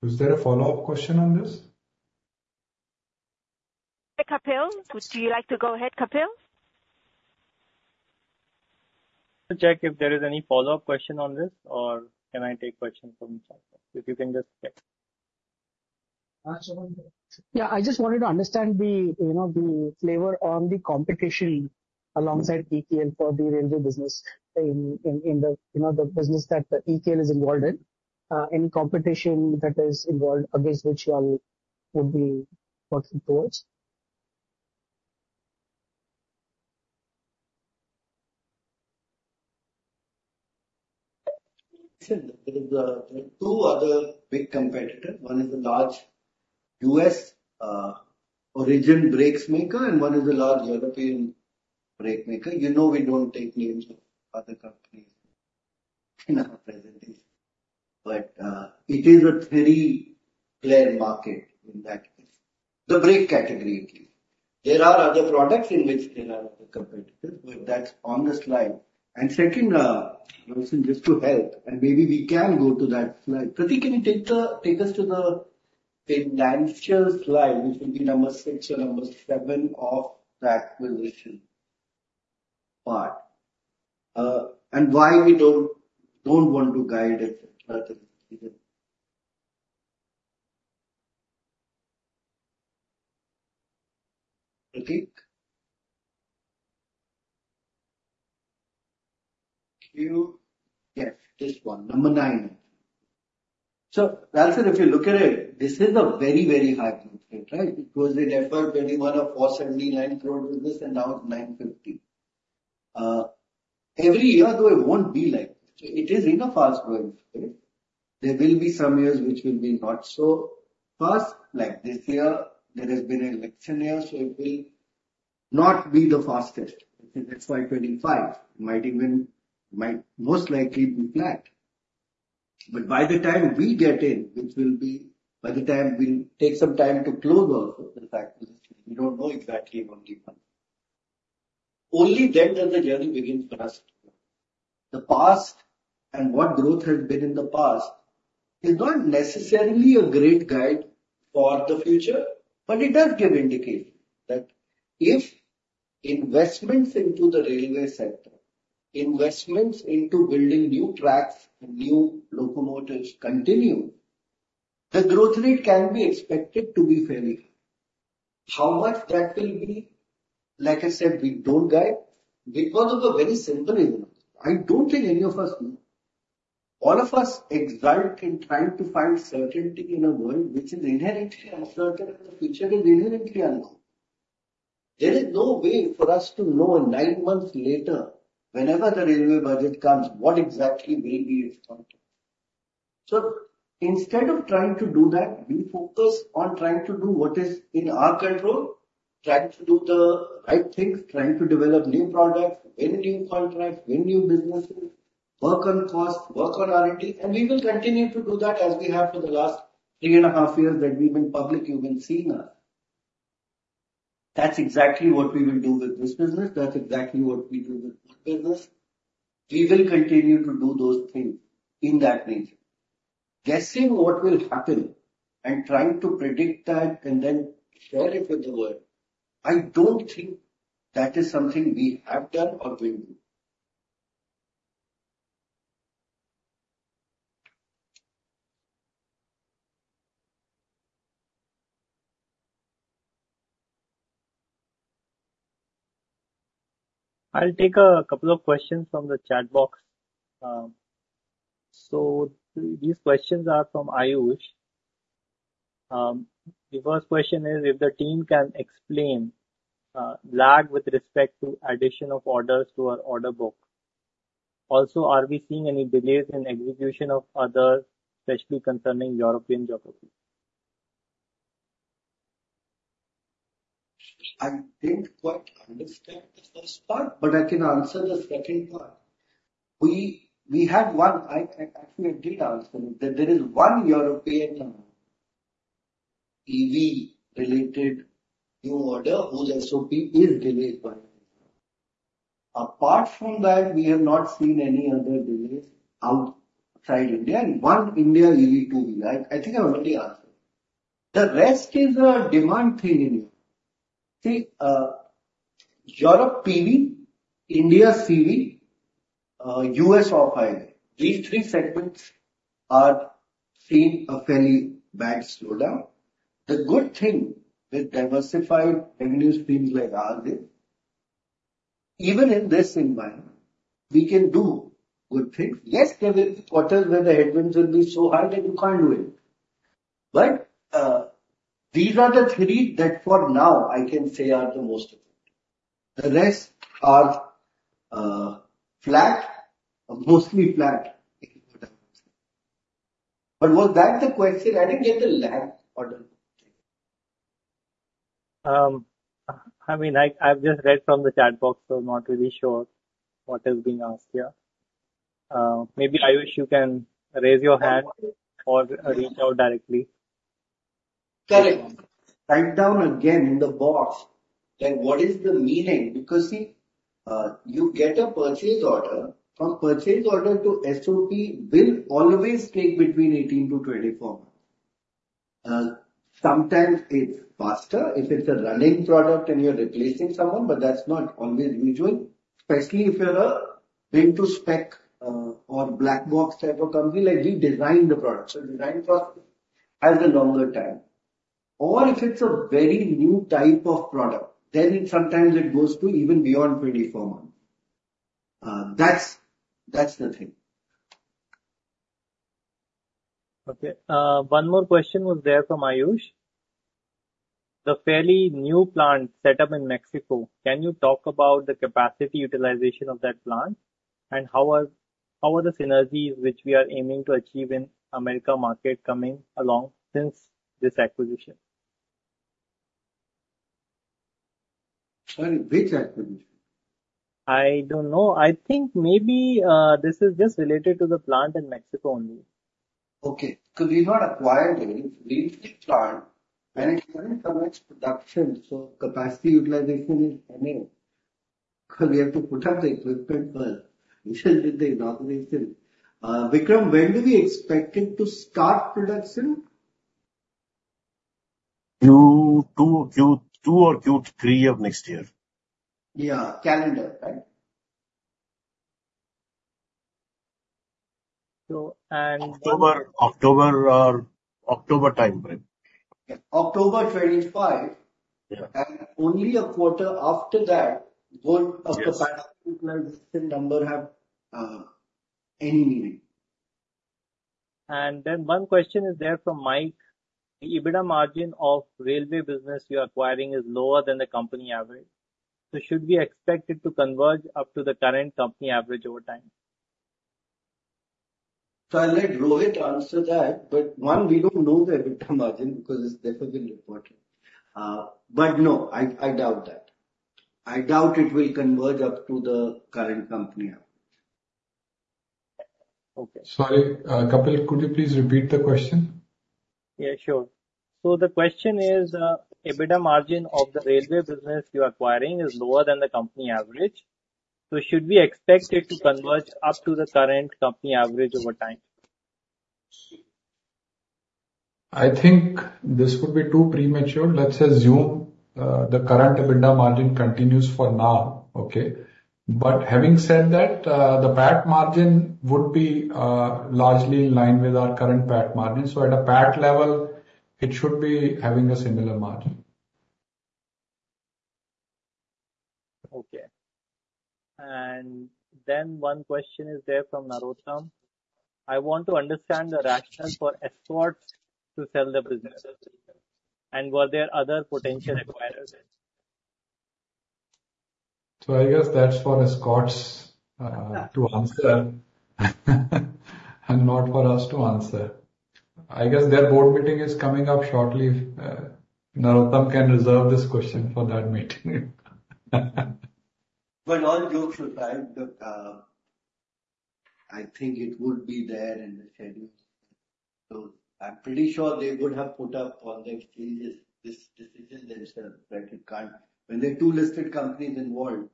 Is there a follow-up question on this? Kapil, would you like to go ahead, Kapil? Check if there is any follow-up question on this, or can I take question from each other? If you can just check. Sat Mohan go. Yeah, I just wanted to understand the, you know, the flavor on the competition alongside EKL for the railway business in, you know, the business that EKL is involved in. Any competition that is involved against which you all would be working towards? There are two other big competitors. One is a large U.S. origin brakes maker, and one is a large European brake maker. You know, we don't take names of other companies in our presentation, but it is a three-player market in that case, the brake category, I think. There are other products in which there are other competitors, but that's on the slide. And second, Rawson, just to help, and maybe we can go to that slide. Pratik, can you take us to the financial slide, which will be number six or number seven of the acquisition part. And why we don't want to guide it, Pratik? Yeah, this one, number nine. So, Rawson, if you look at it, this is a very, very high growth rate, right? Because in FY 2021 it was 479 crore business, and now it's 950 crore. Every year, though, it won't be like this. It is in a fast-growing space. There will be some years which will be not so fast. Like this year, there has been an election year, so it will not be the fastest. I think that's why 2025 might even, might most likely be flat. But by the time we get in, which will be, by the time we'll take some time to close off with the fact we don't know exactly about only one. Only then does the journey begins for us. The past and what growth has been in the past is not necessarily a great guide for the future, but it does give indication that if investments into the railway sector, investments into building new tracks and new locomotives continue, the growth rate can be expected to be fairly high. How much that will be, like I said, we don't guide because of a very simple reason. I don't think any of us know. All of us exult in trying to find certainty in a world which is inherently uncertain, and the future is inherently unknown. There is no way for us to know nine months later, whenever the railway budget comes, what exactly will be its content. So, instead of trying to do that, we focus on trying to do what is in our control, trying to do the right things, trying to develop new products, win new contracts, win new businesses, work on cost, work on R&D, and we will continue to do that as we have for the last three and a half years that we've been public. You've been seeing us. That's exactly what we will do with this business. That's exactly what we do with our business. We will continue to do those things in that nature. Guessing what will happen and trying to predict that and then share it with the world, I don't think that is something we have done or will do. I'll take a couple of questions from the chat box. So these questions are from Ayush. The first question is, if the team can explain lag with respect to addition of orders to our order book. Also, are we seeing any delays in execution of orders, especially concerning European geography? I didn't quite understand the first part, but I can answer the second part. We had one. I actually did answer that there is one European EV related new order, whose SOP is delayed by nine months. Apart from that, we have not seen any other delays outside India, and one India EV two-wheeler. I think I've already answered. The rest is a demand thing in India. See, Europe PV, India CV, US off-highway, these three segments are seeing a fairly bad slowdown. The good thing with diversified revenue streams like ours is, even in this environment, we can do good things. Yes, there will be quarters where the headwinds will be so high that you can't do anything. But these are the three that for now, I can say are the most affected. The rest are flat, mostly flat in quarter. But was that the question? I didn't get the large order book thing. I mean, I've just read from the chat box, so I'm not really sure what is being asked here. Maybe, Ayush, you can raise your hand or reach out directly. Correct. Write down again in the box, like, what is the meaning? Because, see, you get a purchase order. From purchase order to SOP will always take between 18 to 24 months. Sometimes it's faster if it's a running product and you're replacing someone, but that's not always usual, especially if you're a build-to-spec, or black box type of company, like we design the product. So design process has a longer time. Or if it's a very new type of product, then sometimes it goes to even beyond 24 months. That's, that's the thing. Okay. One more question was there from Ayush: The fairly new plant set up in Mexico, can you talk about the capacity utilization of that plant? And how are the synergies which we are aiming to achieve in America market coming along since this acquisition? Sorry, which acquisition? I don't know. I think maybe, this is just related to the plant in Mexico only. Okay, so we're not acquiring. We need the plant and it's not in production, so capacity utilization is coming. So we have to put up the equipment first. We shall do the inauguration. Vikram, when do we expecting to start production? Q2, Q2 or Q3 of next year. Yeah, calendar, right? So, and October time frame. Yeah, October 2025. Yeah. Only a quarter after that, both of the numbers have any meaning. And then one question is there from Mike: The EBITDA margin of railway business you are acquiring is lower than the company average. So should we expect it to converge up to the current company average over time? So, I'll let Rohit answer that, but one, we don't know the EBITDA margin because it's never been reported. But no, I doubt that. I doubt it will converge up to the current company average. Okay. Sorry, Kapil, could you please repeat the question? Yeah, sure. So the question is, EBITDA margin of the railway business you're acquiring is lower than the company average. So should we expect it to converge up to the current company average over time? I think this would be too premature. Let's assume, the current EBITDA margin continues for now, okay? But having said that, the PAT margin would be, largely in line with our current PAT margin. So at a PAT level, it should be having a similar margin. Okay. Then one question is there from Narottam: I want to understand the rationale for Escorts to sell the business, and were there other potential acquirers? So I guess that's for Escorts to answer, and not for us to answer. I guess their board meeting is coming up shortly. If Narottam can reserve this question for that meeting. All jokes aside, I think it would be there in the schedule. So I'm pretty sure they would have put up on the exchanges this, this decision themselves, that it can't. When there are two listed companies involved,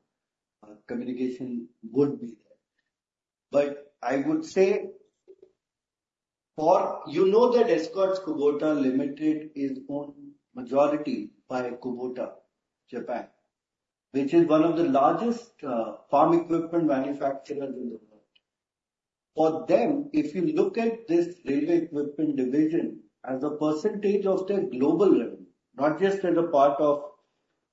communication would be there. But I would say. You know that Escorts Kubota Limited is owned majority by Kubota Japan, which is one of the largest farm equipment manufacturers in the world. For them, if you look at this railway equipment division as a percentage of their global revenue, not just as a part of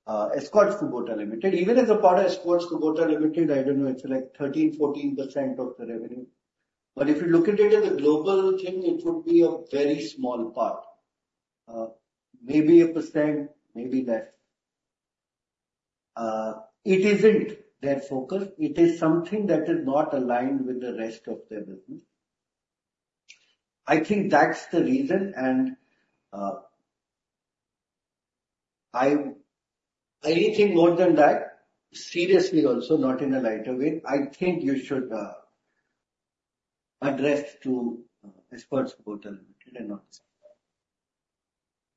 Escorts Kubota Limited, even as a part of Escorts Kubota Limited, I don't know, it's like 13-14% of the revenue. But if you look at it as a global thing, it would be a very small part, maybe 1%, maybe less. It isn't their focus. It is something that is not aligned with the rest of their business. I think that's the reason. And anything more than that, seriously also, not in a lighter way, I think you should address to Escorts Kubota Limited and not us.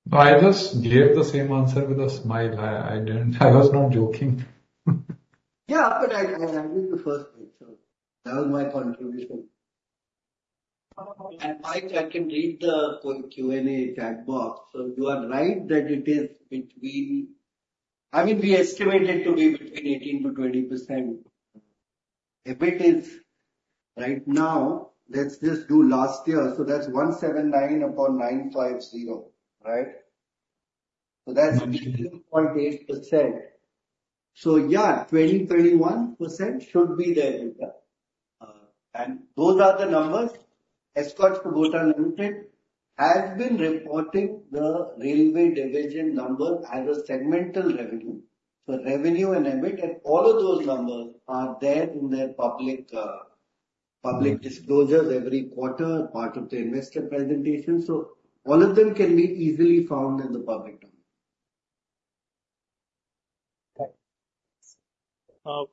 No, I just gave the same answer with a smile. I, I didn't, I was not joking. Yeah, but I read the first page, so that was my contribution. And Mike, I can read the Q&A chat box, so you are right that it is between... I mean, we estimate it to be between 18%-20%. EBIT is, right now, let's just do last year, so that's 179 upon 950, right? So that's 18.8%. So yeah, 20%-21% should be there, yeah. And those are the numbers. Escorts Kubota Limited has been reporting the railway division number as a segmental revenue. So revenue and EBIT, and all of those numbers are there in their public disclosures every quarter, part of the investor presentation, so all of them can be easily found in the public domain.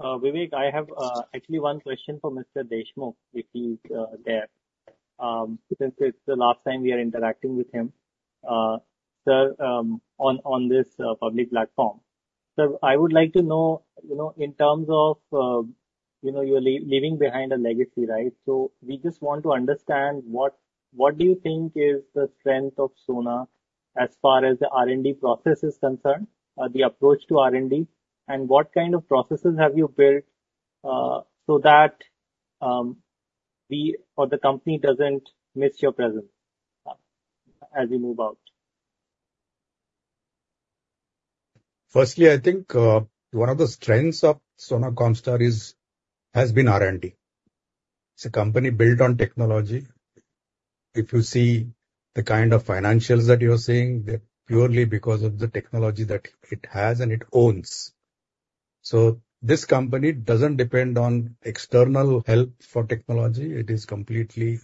Vivek, I have actually one question for Mr. Deshmukh, if he's there, since it's the last time we are interacting with him, sir, on this public platform. Sir, I would like to know, you know, in terms of, you know, you're leaving behind a legacy, right? So we just want to understand what do you think is the strength of Sona as far as the R&D process is concerned, the approach to R&D, and what kind of processes have you built, so that we or the company doesn't miss your presence, as you move out? Firstly, I think, one of the strengths of Sona Comstar is, has been R&D. It's a company built on technology. If you see the kind of financials that you are seeing, they're purely because of the technology that it has and it owns. So this company doesn't depend on external help for technology. It is completely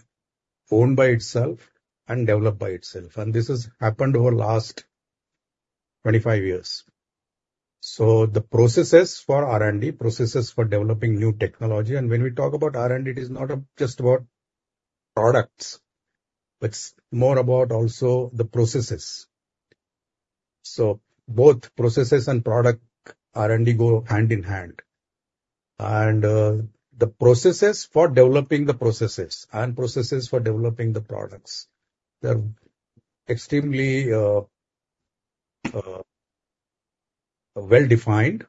owned by itself and developed by itself, and this has happened over the last 25 years. So the processes for R&D, processes for developing new technology, and when we talk about R&D, it is not just about products, it's more about also the processes. Both processes and product only go hand in hand. The processes for developing the processes and processes for developing the products, they're extremely well-defined.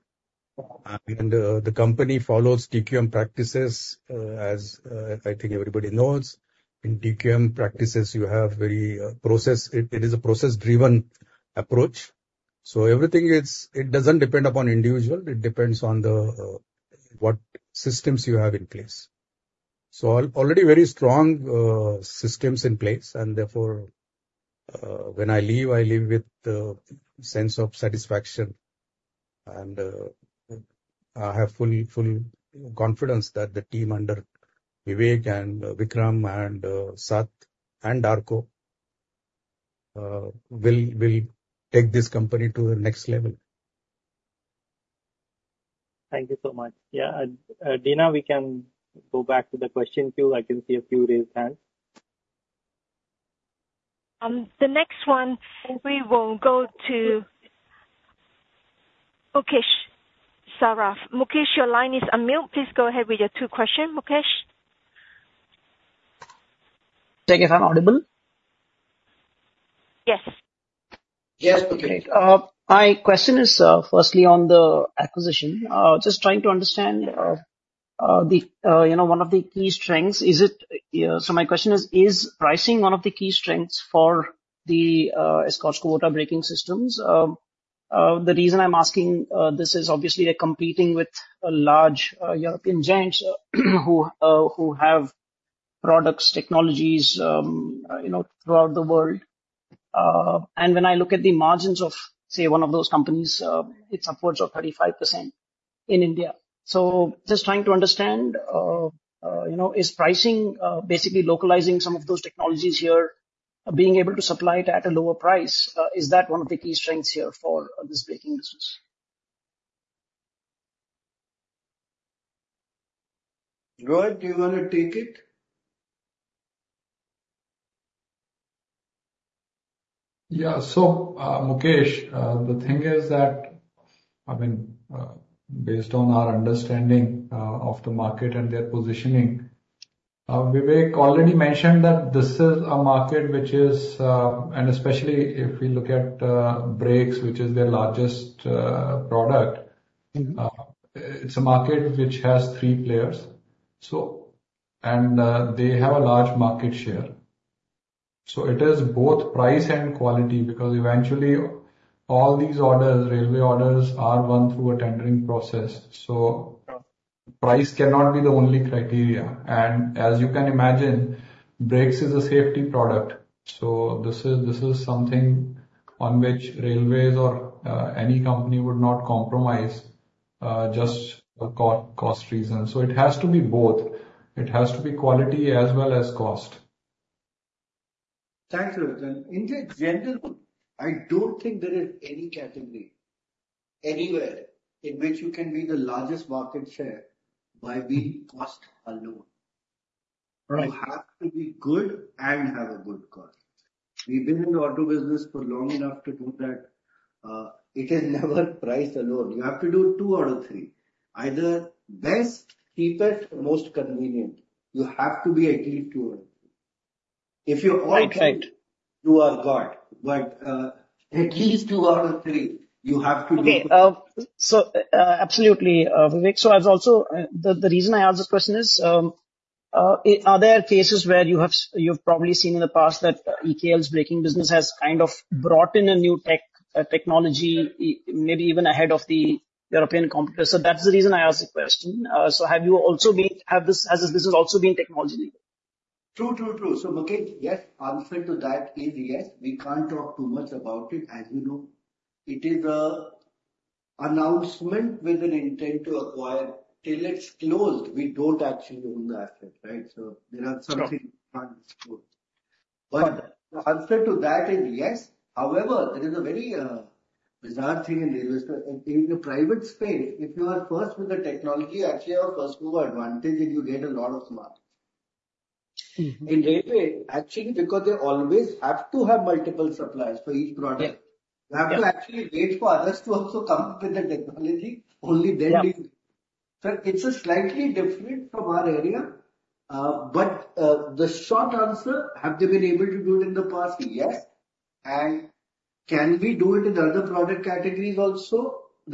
The company follows TQM practices, as I think everybody knows. In TQM practices, you have very process. It is a process-driven approach, so everything is. It doesn't depend upon individual, it depends on what systems you have in place. Already very strong systems in place, and therefore, when I leave, I leave with a sense of satisfaction. I have full confidence that the team under Vivek and Vikram and Sat and Darko will take this company to the next level. Thank you so much. Yeah, and, Dina, we can go back to the question queue. I can see a few raised hands. The next one, we will go to Mukesh Saraf. Mukesh, your line is unmuted. Please go ahead with your two questions, Mukesh. Check if I'm audible? Yes. Yes, Mukesh. My question is, firstly, on the acquisition. Just trying to understand, you know, one of the key strengths. Is it... So my question is, is pricing one of the key strengths for the Escorts Kubota braking systems? The reason I'm asking this is obviously they're competing with large European giants, who have products, technologies, you know, throughout the world. And when I look at the margins of, say, one of those companies, it's upwards of 35% in India. So just trying to understand, you know, is pricing basically localizing some of those technologies here, being able to supply it at a lower price, is that one of the key strengths here for this braking business? Rohit, do you want to take it? Yeah. So, Mukesh, the thing is that, I mean, based on our understanding of the market and their positioning, Vivek already mentioned that this is a market which is, and especially if we look at, brakes, which is their largest, product- Mm-hmm. It's a market which has three players, so and they have a large market share. So it is both price and quality, because eventually all these orders, railway orders, are won through a tendering process. So price cannot be the only criteria. And as you can imagine, brakes is a safety product, so this is something on which railways or any company would not compromise just for cost reasons. So it has to be both. It has to be quality as well as cost. Thanks, Rohit. And in general, I don't think there is any category anywhere in which you can be the largest market share by being cost alone. Right. You have to be good and have a good cost. We've been in the auto business for long enough to know that, it is never price alone. You have to do two out of three, either best, cheapest, most convenient. You have to be at least two of them. If you're all three- Right, right. You are God. But, at least two out of three, you have to do. Okay, so, absolutely, Vivek. So as also, the reason I ask this question is, are there cases where you've probably seen in the past that EKL's braking business has kind of brought in a new tech, technology, maybe even ahead of the European competitors? So that's the reason I asked the question. So have you also been... Have this, has this also been technology? True, true, true. So, Mukesh, yes, answer to that is yes. We can't talk too much about it. As you know, it is an announcement with an intent to acquire. Till it's closed, we don't actually own the asset, right? So there are some things- Sure. We can't disclose. Got it. The answer to that is yes. However, it is a very bizarre thing in railway. In the private space, if you are first with the technology, you actually have a first-mover advantage and you get a lot of market. Mm-hmm. In railway, actually, because they always have to have multiple suppliers for each product. Yeah. -you have to actually wait for others to also come up with the technology, only then you- Yeah. So it's a slightly different from our area. But, the short answer, have they been able to do it in the past? Yes. And can we do it in the other product categories also?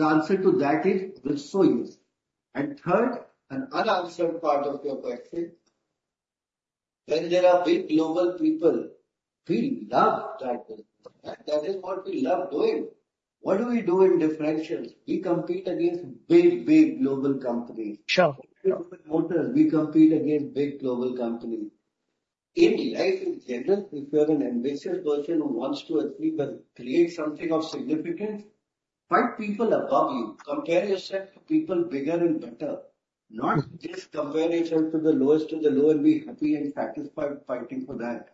The answer to that is also yes. And third, an unanswered part of your question, when there are big global people, we love that business, right? That is what we love doing. What do we do in differentials? We compete against big, big global companies. Sure. We compete against big global companies. In life in general, if you are an ambitious person who wants to achieve and create something of significance, fight people above you. Compare yourself to people bigger and better, not just compare yourself to the lowest of the low and be happy and satisfied fighting for that.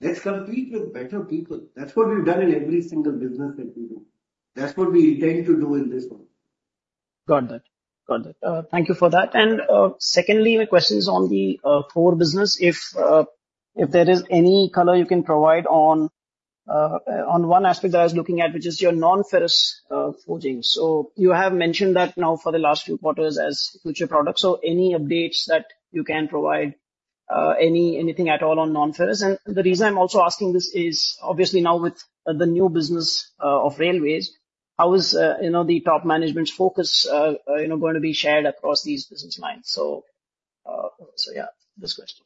Let's compete with better people. That's what we've done in every single business that we do. That's what we intend to do in this one. Got it. Thank you for that. And, secondly, my question is on the core business. If there is any color you can provide on one aspect that I was looking at, which is your non-ferrous forging. So you have mentioned that now for the last few quarters as future products. So any updates that you can provide, any, anything at all on non-ferrous? And the reason I'm also asking this is obviously now with the new business of railways, how is, you know, the top management's focus, you know, going to be shared across these business lines? So, yeah, this question.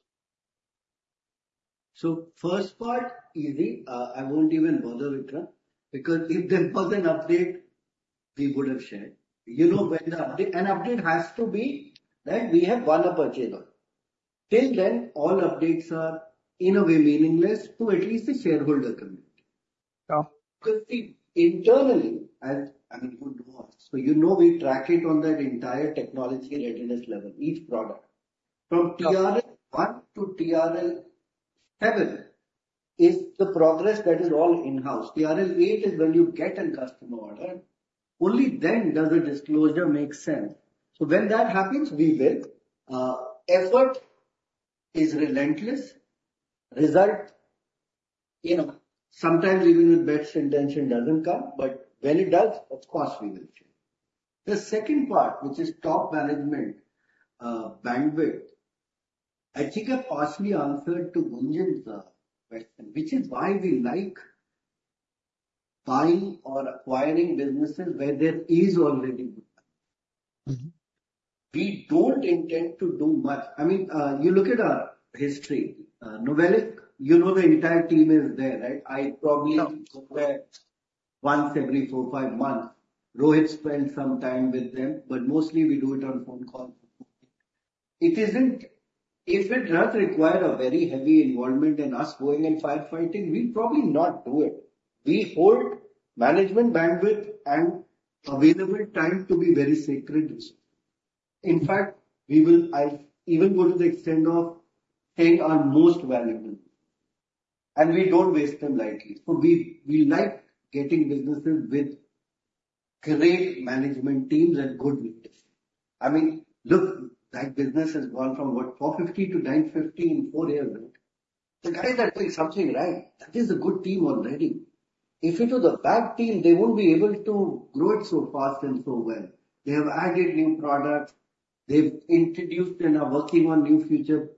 First part, easy. I won't even bother with that, because if there was an update, we would have shared. You know, when the update... An update has to be that we have won a purchase order. Till then, all updates are, in a way, meaningless to at least the shareholder community. Yeah. Because see, internally, as I mean, who knows? So, you know, we track it on that entire technology readiness level, each product. Yeah. From TRL one to TRL seven is the progress that is all in-house. TRL eight is when you get a customer order, only then does the disclosure make sense. So when that happens, we will. Effort is relentless. Result, you know, sometimes even with best intention, doesn't come, but when it does, of course, we will share. The second part, which is top management, bandwidth, I think I partially answered to Gunjan's question, which is why we like buying or acquiring businesses where there is already good management. Mm-hmm. We don't intend to do much. I mean, you look at our history, NOVELIC, you know, the entire team is there, right? I probably- Yeah. Go there once every four, five months. Rohit spends some time with them, but mostly we do it on phone call. It isn't, if it does require a very heavy involvement and us going and firefighting, we'll probably not do it. We hold management bandwidth and available time to be very sacred. In fact, we will, I'll even go to the extent of saying our most valuable, and we don't waste them lightly. So we, we like getting businesses with great management teams and good leadership. I mean, look, that business has gone from, what, 450 to 950 in four years, right? So guys are doing something right. That is a good team already. If it was a bad team, they won't be able to grow it so fast and so well. They have added new products. They've introduced and are working on new future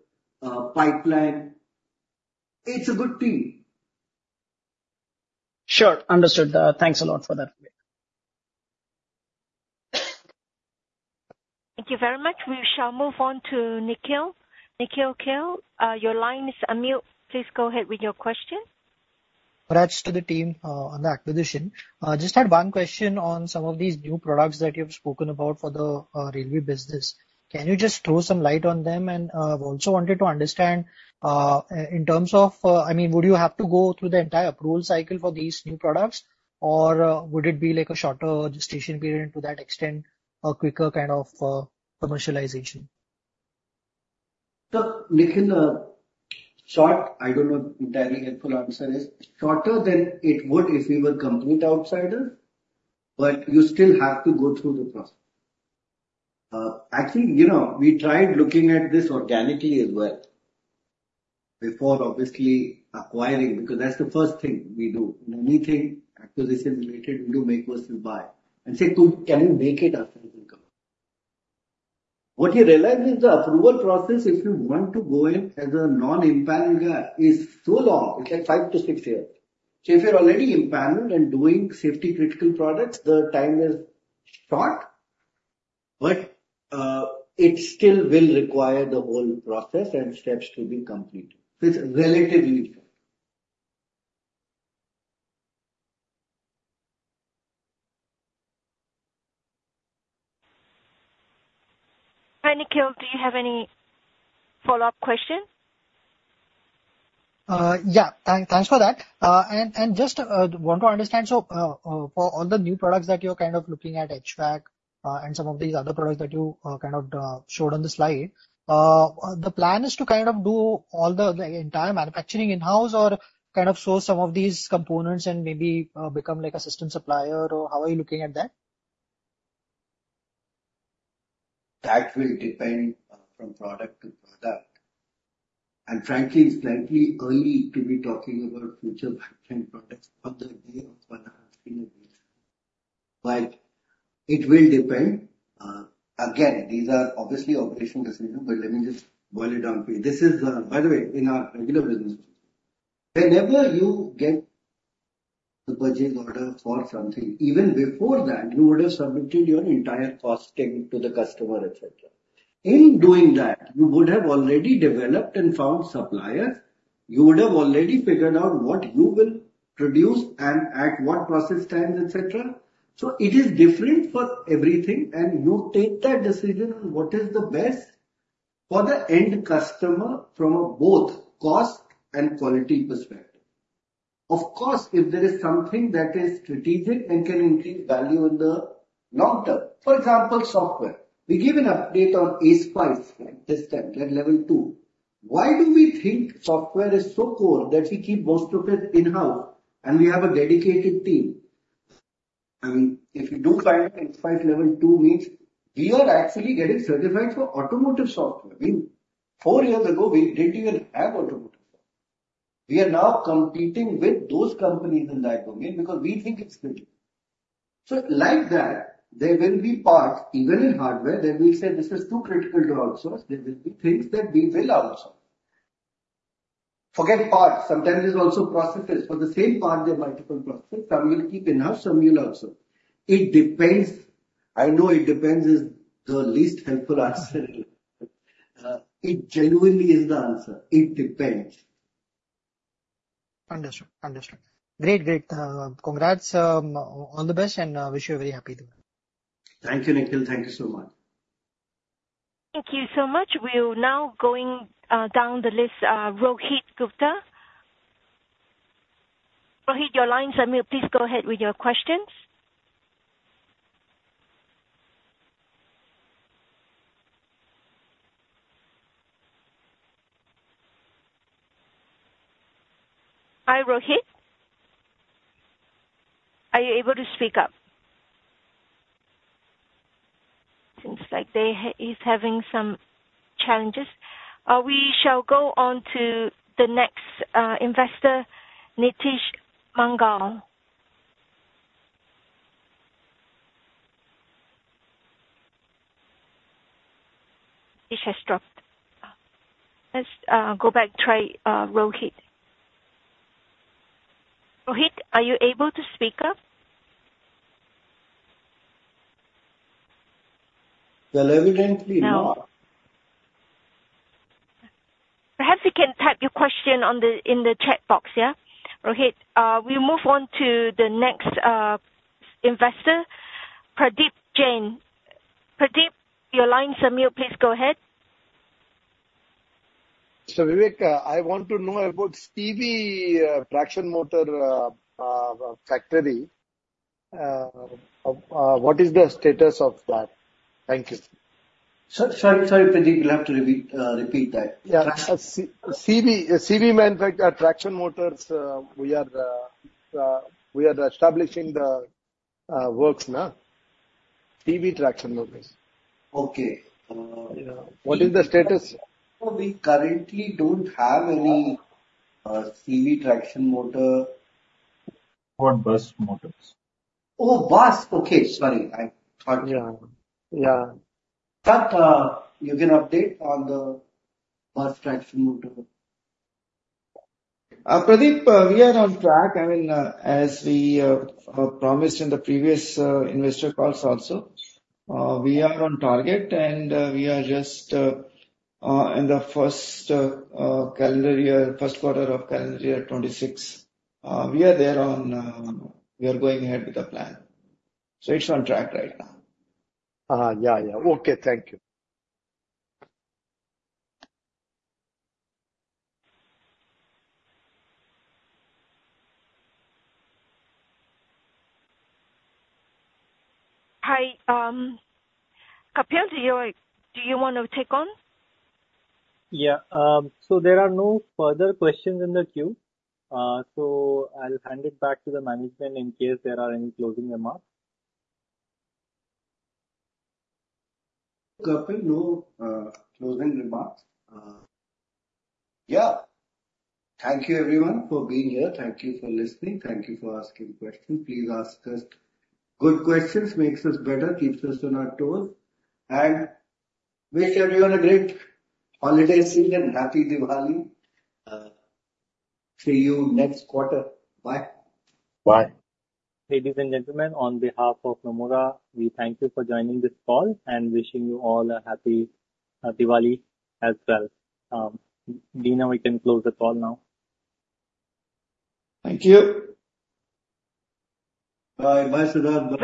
pipeline. It's a good team. Sure. Understood. Thanks a lot for that. Thank you very much. We shall move on to Nikhil. Nikhil Kale, your line is unmuted. Please go ahead with your question. Congrats to the team on the acquisition. Just had one question on some of these new products that you've spoken about for the railway business. Can you just throw some light on them? And I also wanted to understand in terms of, I mean, would you have to go through the entire approval cycle for these new products, or would it be like a shorter gestation period to that extent, a quicker kind of commercialization? Nikhil, short, I don't know, entirely helpful answer is, shorter than it would if we were coming in as an outsider, but you still have to go through the process. Actually, you know, we tried looking at this organically as well before obviously acquiring, because that's the first thing we do. In anything acquisitions related, we do make versus buy, and say, can you make it in-house? What you realize is the approval process, if you want to go in as a non-empowered guy, is so long, it's like five to six years. So if you're already empowered and doing safety critical products, the time is short, but it still will require the whole process and steps to be completed. It's relatively short. Hi, Nikhil. Do you have any follow-up question? Yeah. Thanks for that. And just want to understand, so, for all the new products that you're kind of looking at, HVAC, and some of these other products that you kind of showed on the slide, the plan is to kind of do all the entire manufacturing in-house or kind of source some of these components and maybe become like a system supplier, or how are you looking at that? That will depend from product to product. And frankly, it's slightly early to be talking about future pipeline products on the day of whatever. But it will depend, again, these are obviously operational decisions, but let me just boil it down for you. This is, by the way, in our regular business, whenever you get a purchase order for something, even before that, you would have submitted your entire costing to the customer, et cetera. In doing that, you would have already developed and found suppliers. You would have already figured out what you will produce and at what process times, et cetera. So it is different for everything, and you take that decision on what is the best for the end customer from both a cost and quality perspective. Of course, if there is something that is strategic and can increase value in the long term, for example, software. We gave an update on ASPICE this time, at Level 2. Why do we think software is so core that we keep most of it in-house and we have a dedicated team? I mean, if you do find out ASPICE Level 2 means we are actually getting certified for automotive software. I mean, four years ago, we didn't even have automotive software. We are now competing with those companies in that domain because we think it's critical. So like that, there will be parts, even in hardware, that we say, "This is too critical to outsource." There will be things that we will outsource. Forget parts, sometimes there's also processes. For the same part, there are multiple processes. Some we'll keep in-house, some we'll outsource. It depends. I know it depends is the least helpful answer, it genuinely is the answer. It depends. Understood. Understood. Great, great. Congrats, all the best, and wish you a very happy Diwali. Thank you, Nikhil. Thank you so much. Thank you so much. We're now going down the list, Rohit Gupta. Rohit, your line's unmuted. Please go ahead with your questions. Hi, Rohit. Are you able to speak up? Seems like he's having some challenges. We shall go on to the next investor, Nitish Mangal. Nitish has dropped. Let's go back, try Rohit. Rohit, are you able to speak up? Evidently not. Perhaps you can type your question on the, in the chat box, yeah? Rohit, we move on to the next, investor, Pradeep Jain. Pradeep, your line's unmuted. Please go ahead. Vivek, I want to know about CV traction motor factory. What is the status of that? Thank you. Sorry, sorry, Pradeep, you'll have to repeat that. Yeah, C-CV, CV manufacture, traction motors, we are establishing the works now. CV traction motors. Okay. Uh- What is the status? We currently don't have any CV traction motor. For bus motors. Oh, bus! Okay, sorry. I thought- Yeah. Yeah. But you can update on the bus traction motor. Pradeep, we are on track. I mean, as we promised in the previous investor calls also, we are on target, and we are just in the first calendar year, first quarter of calendar year 2026. We are there on, we are going ahead with the plan. So it's on track right now. Yeah, yeah. Okay, thank you. Hi, Kapil, do you want to take on? Yeah. So there are no further questions in the queue, so I'll hand it back to the management in case there are any closing remarks. Kapil, no, closing remarks. Yeah. Thank you, everyone, for being here. Thank you for listening. Thank you for asking questions. Please ask us good questions, makes us better, keeps us on our toes, and wish everyone a great holiday season and Happy Diwali. See you next quarter. Bye. Bye. Ladies and gentlemen, on behalf of Nomura, we thank you for joining this call, and wishing you all a happy Diwali as well. Dina, we can close the call now. Thank you. Bye. Bye, Siddharth.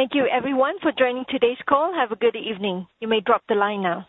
Thank you very much, everyone, for joining today's call. Have a good evening. You may drop the line now.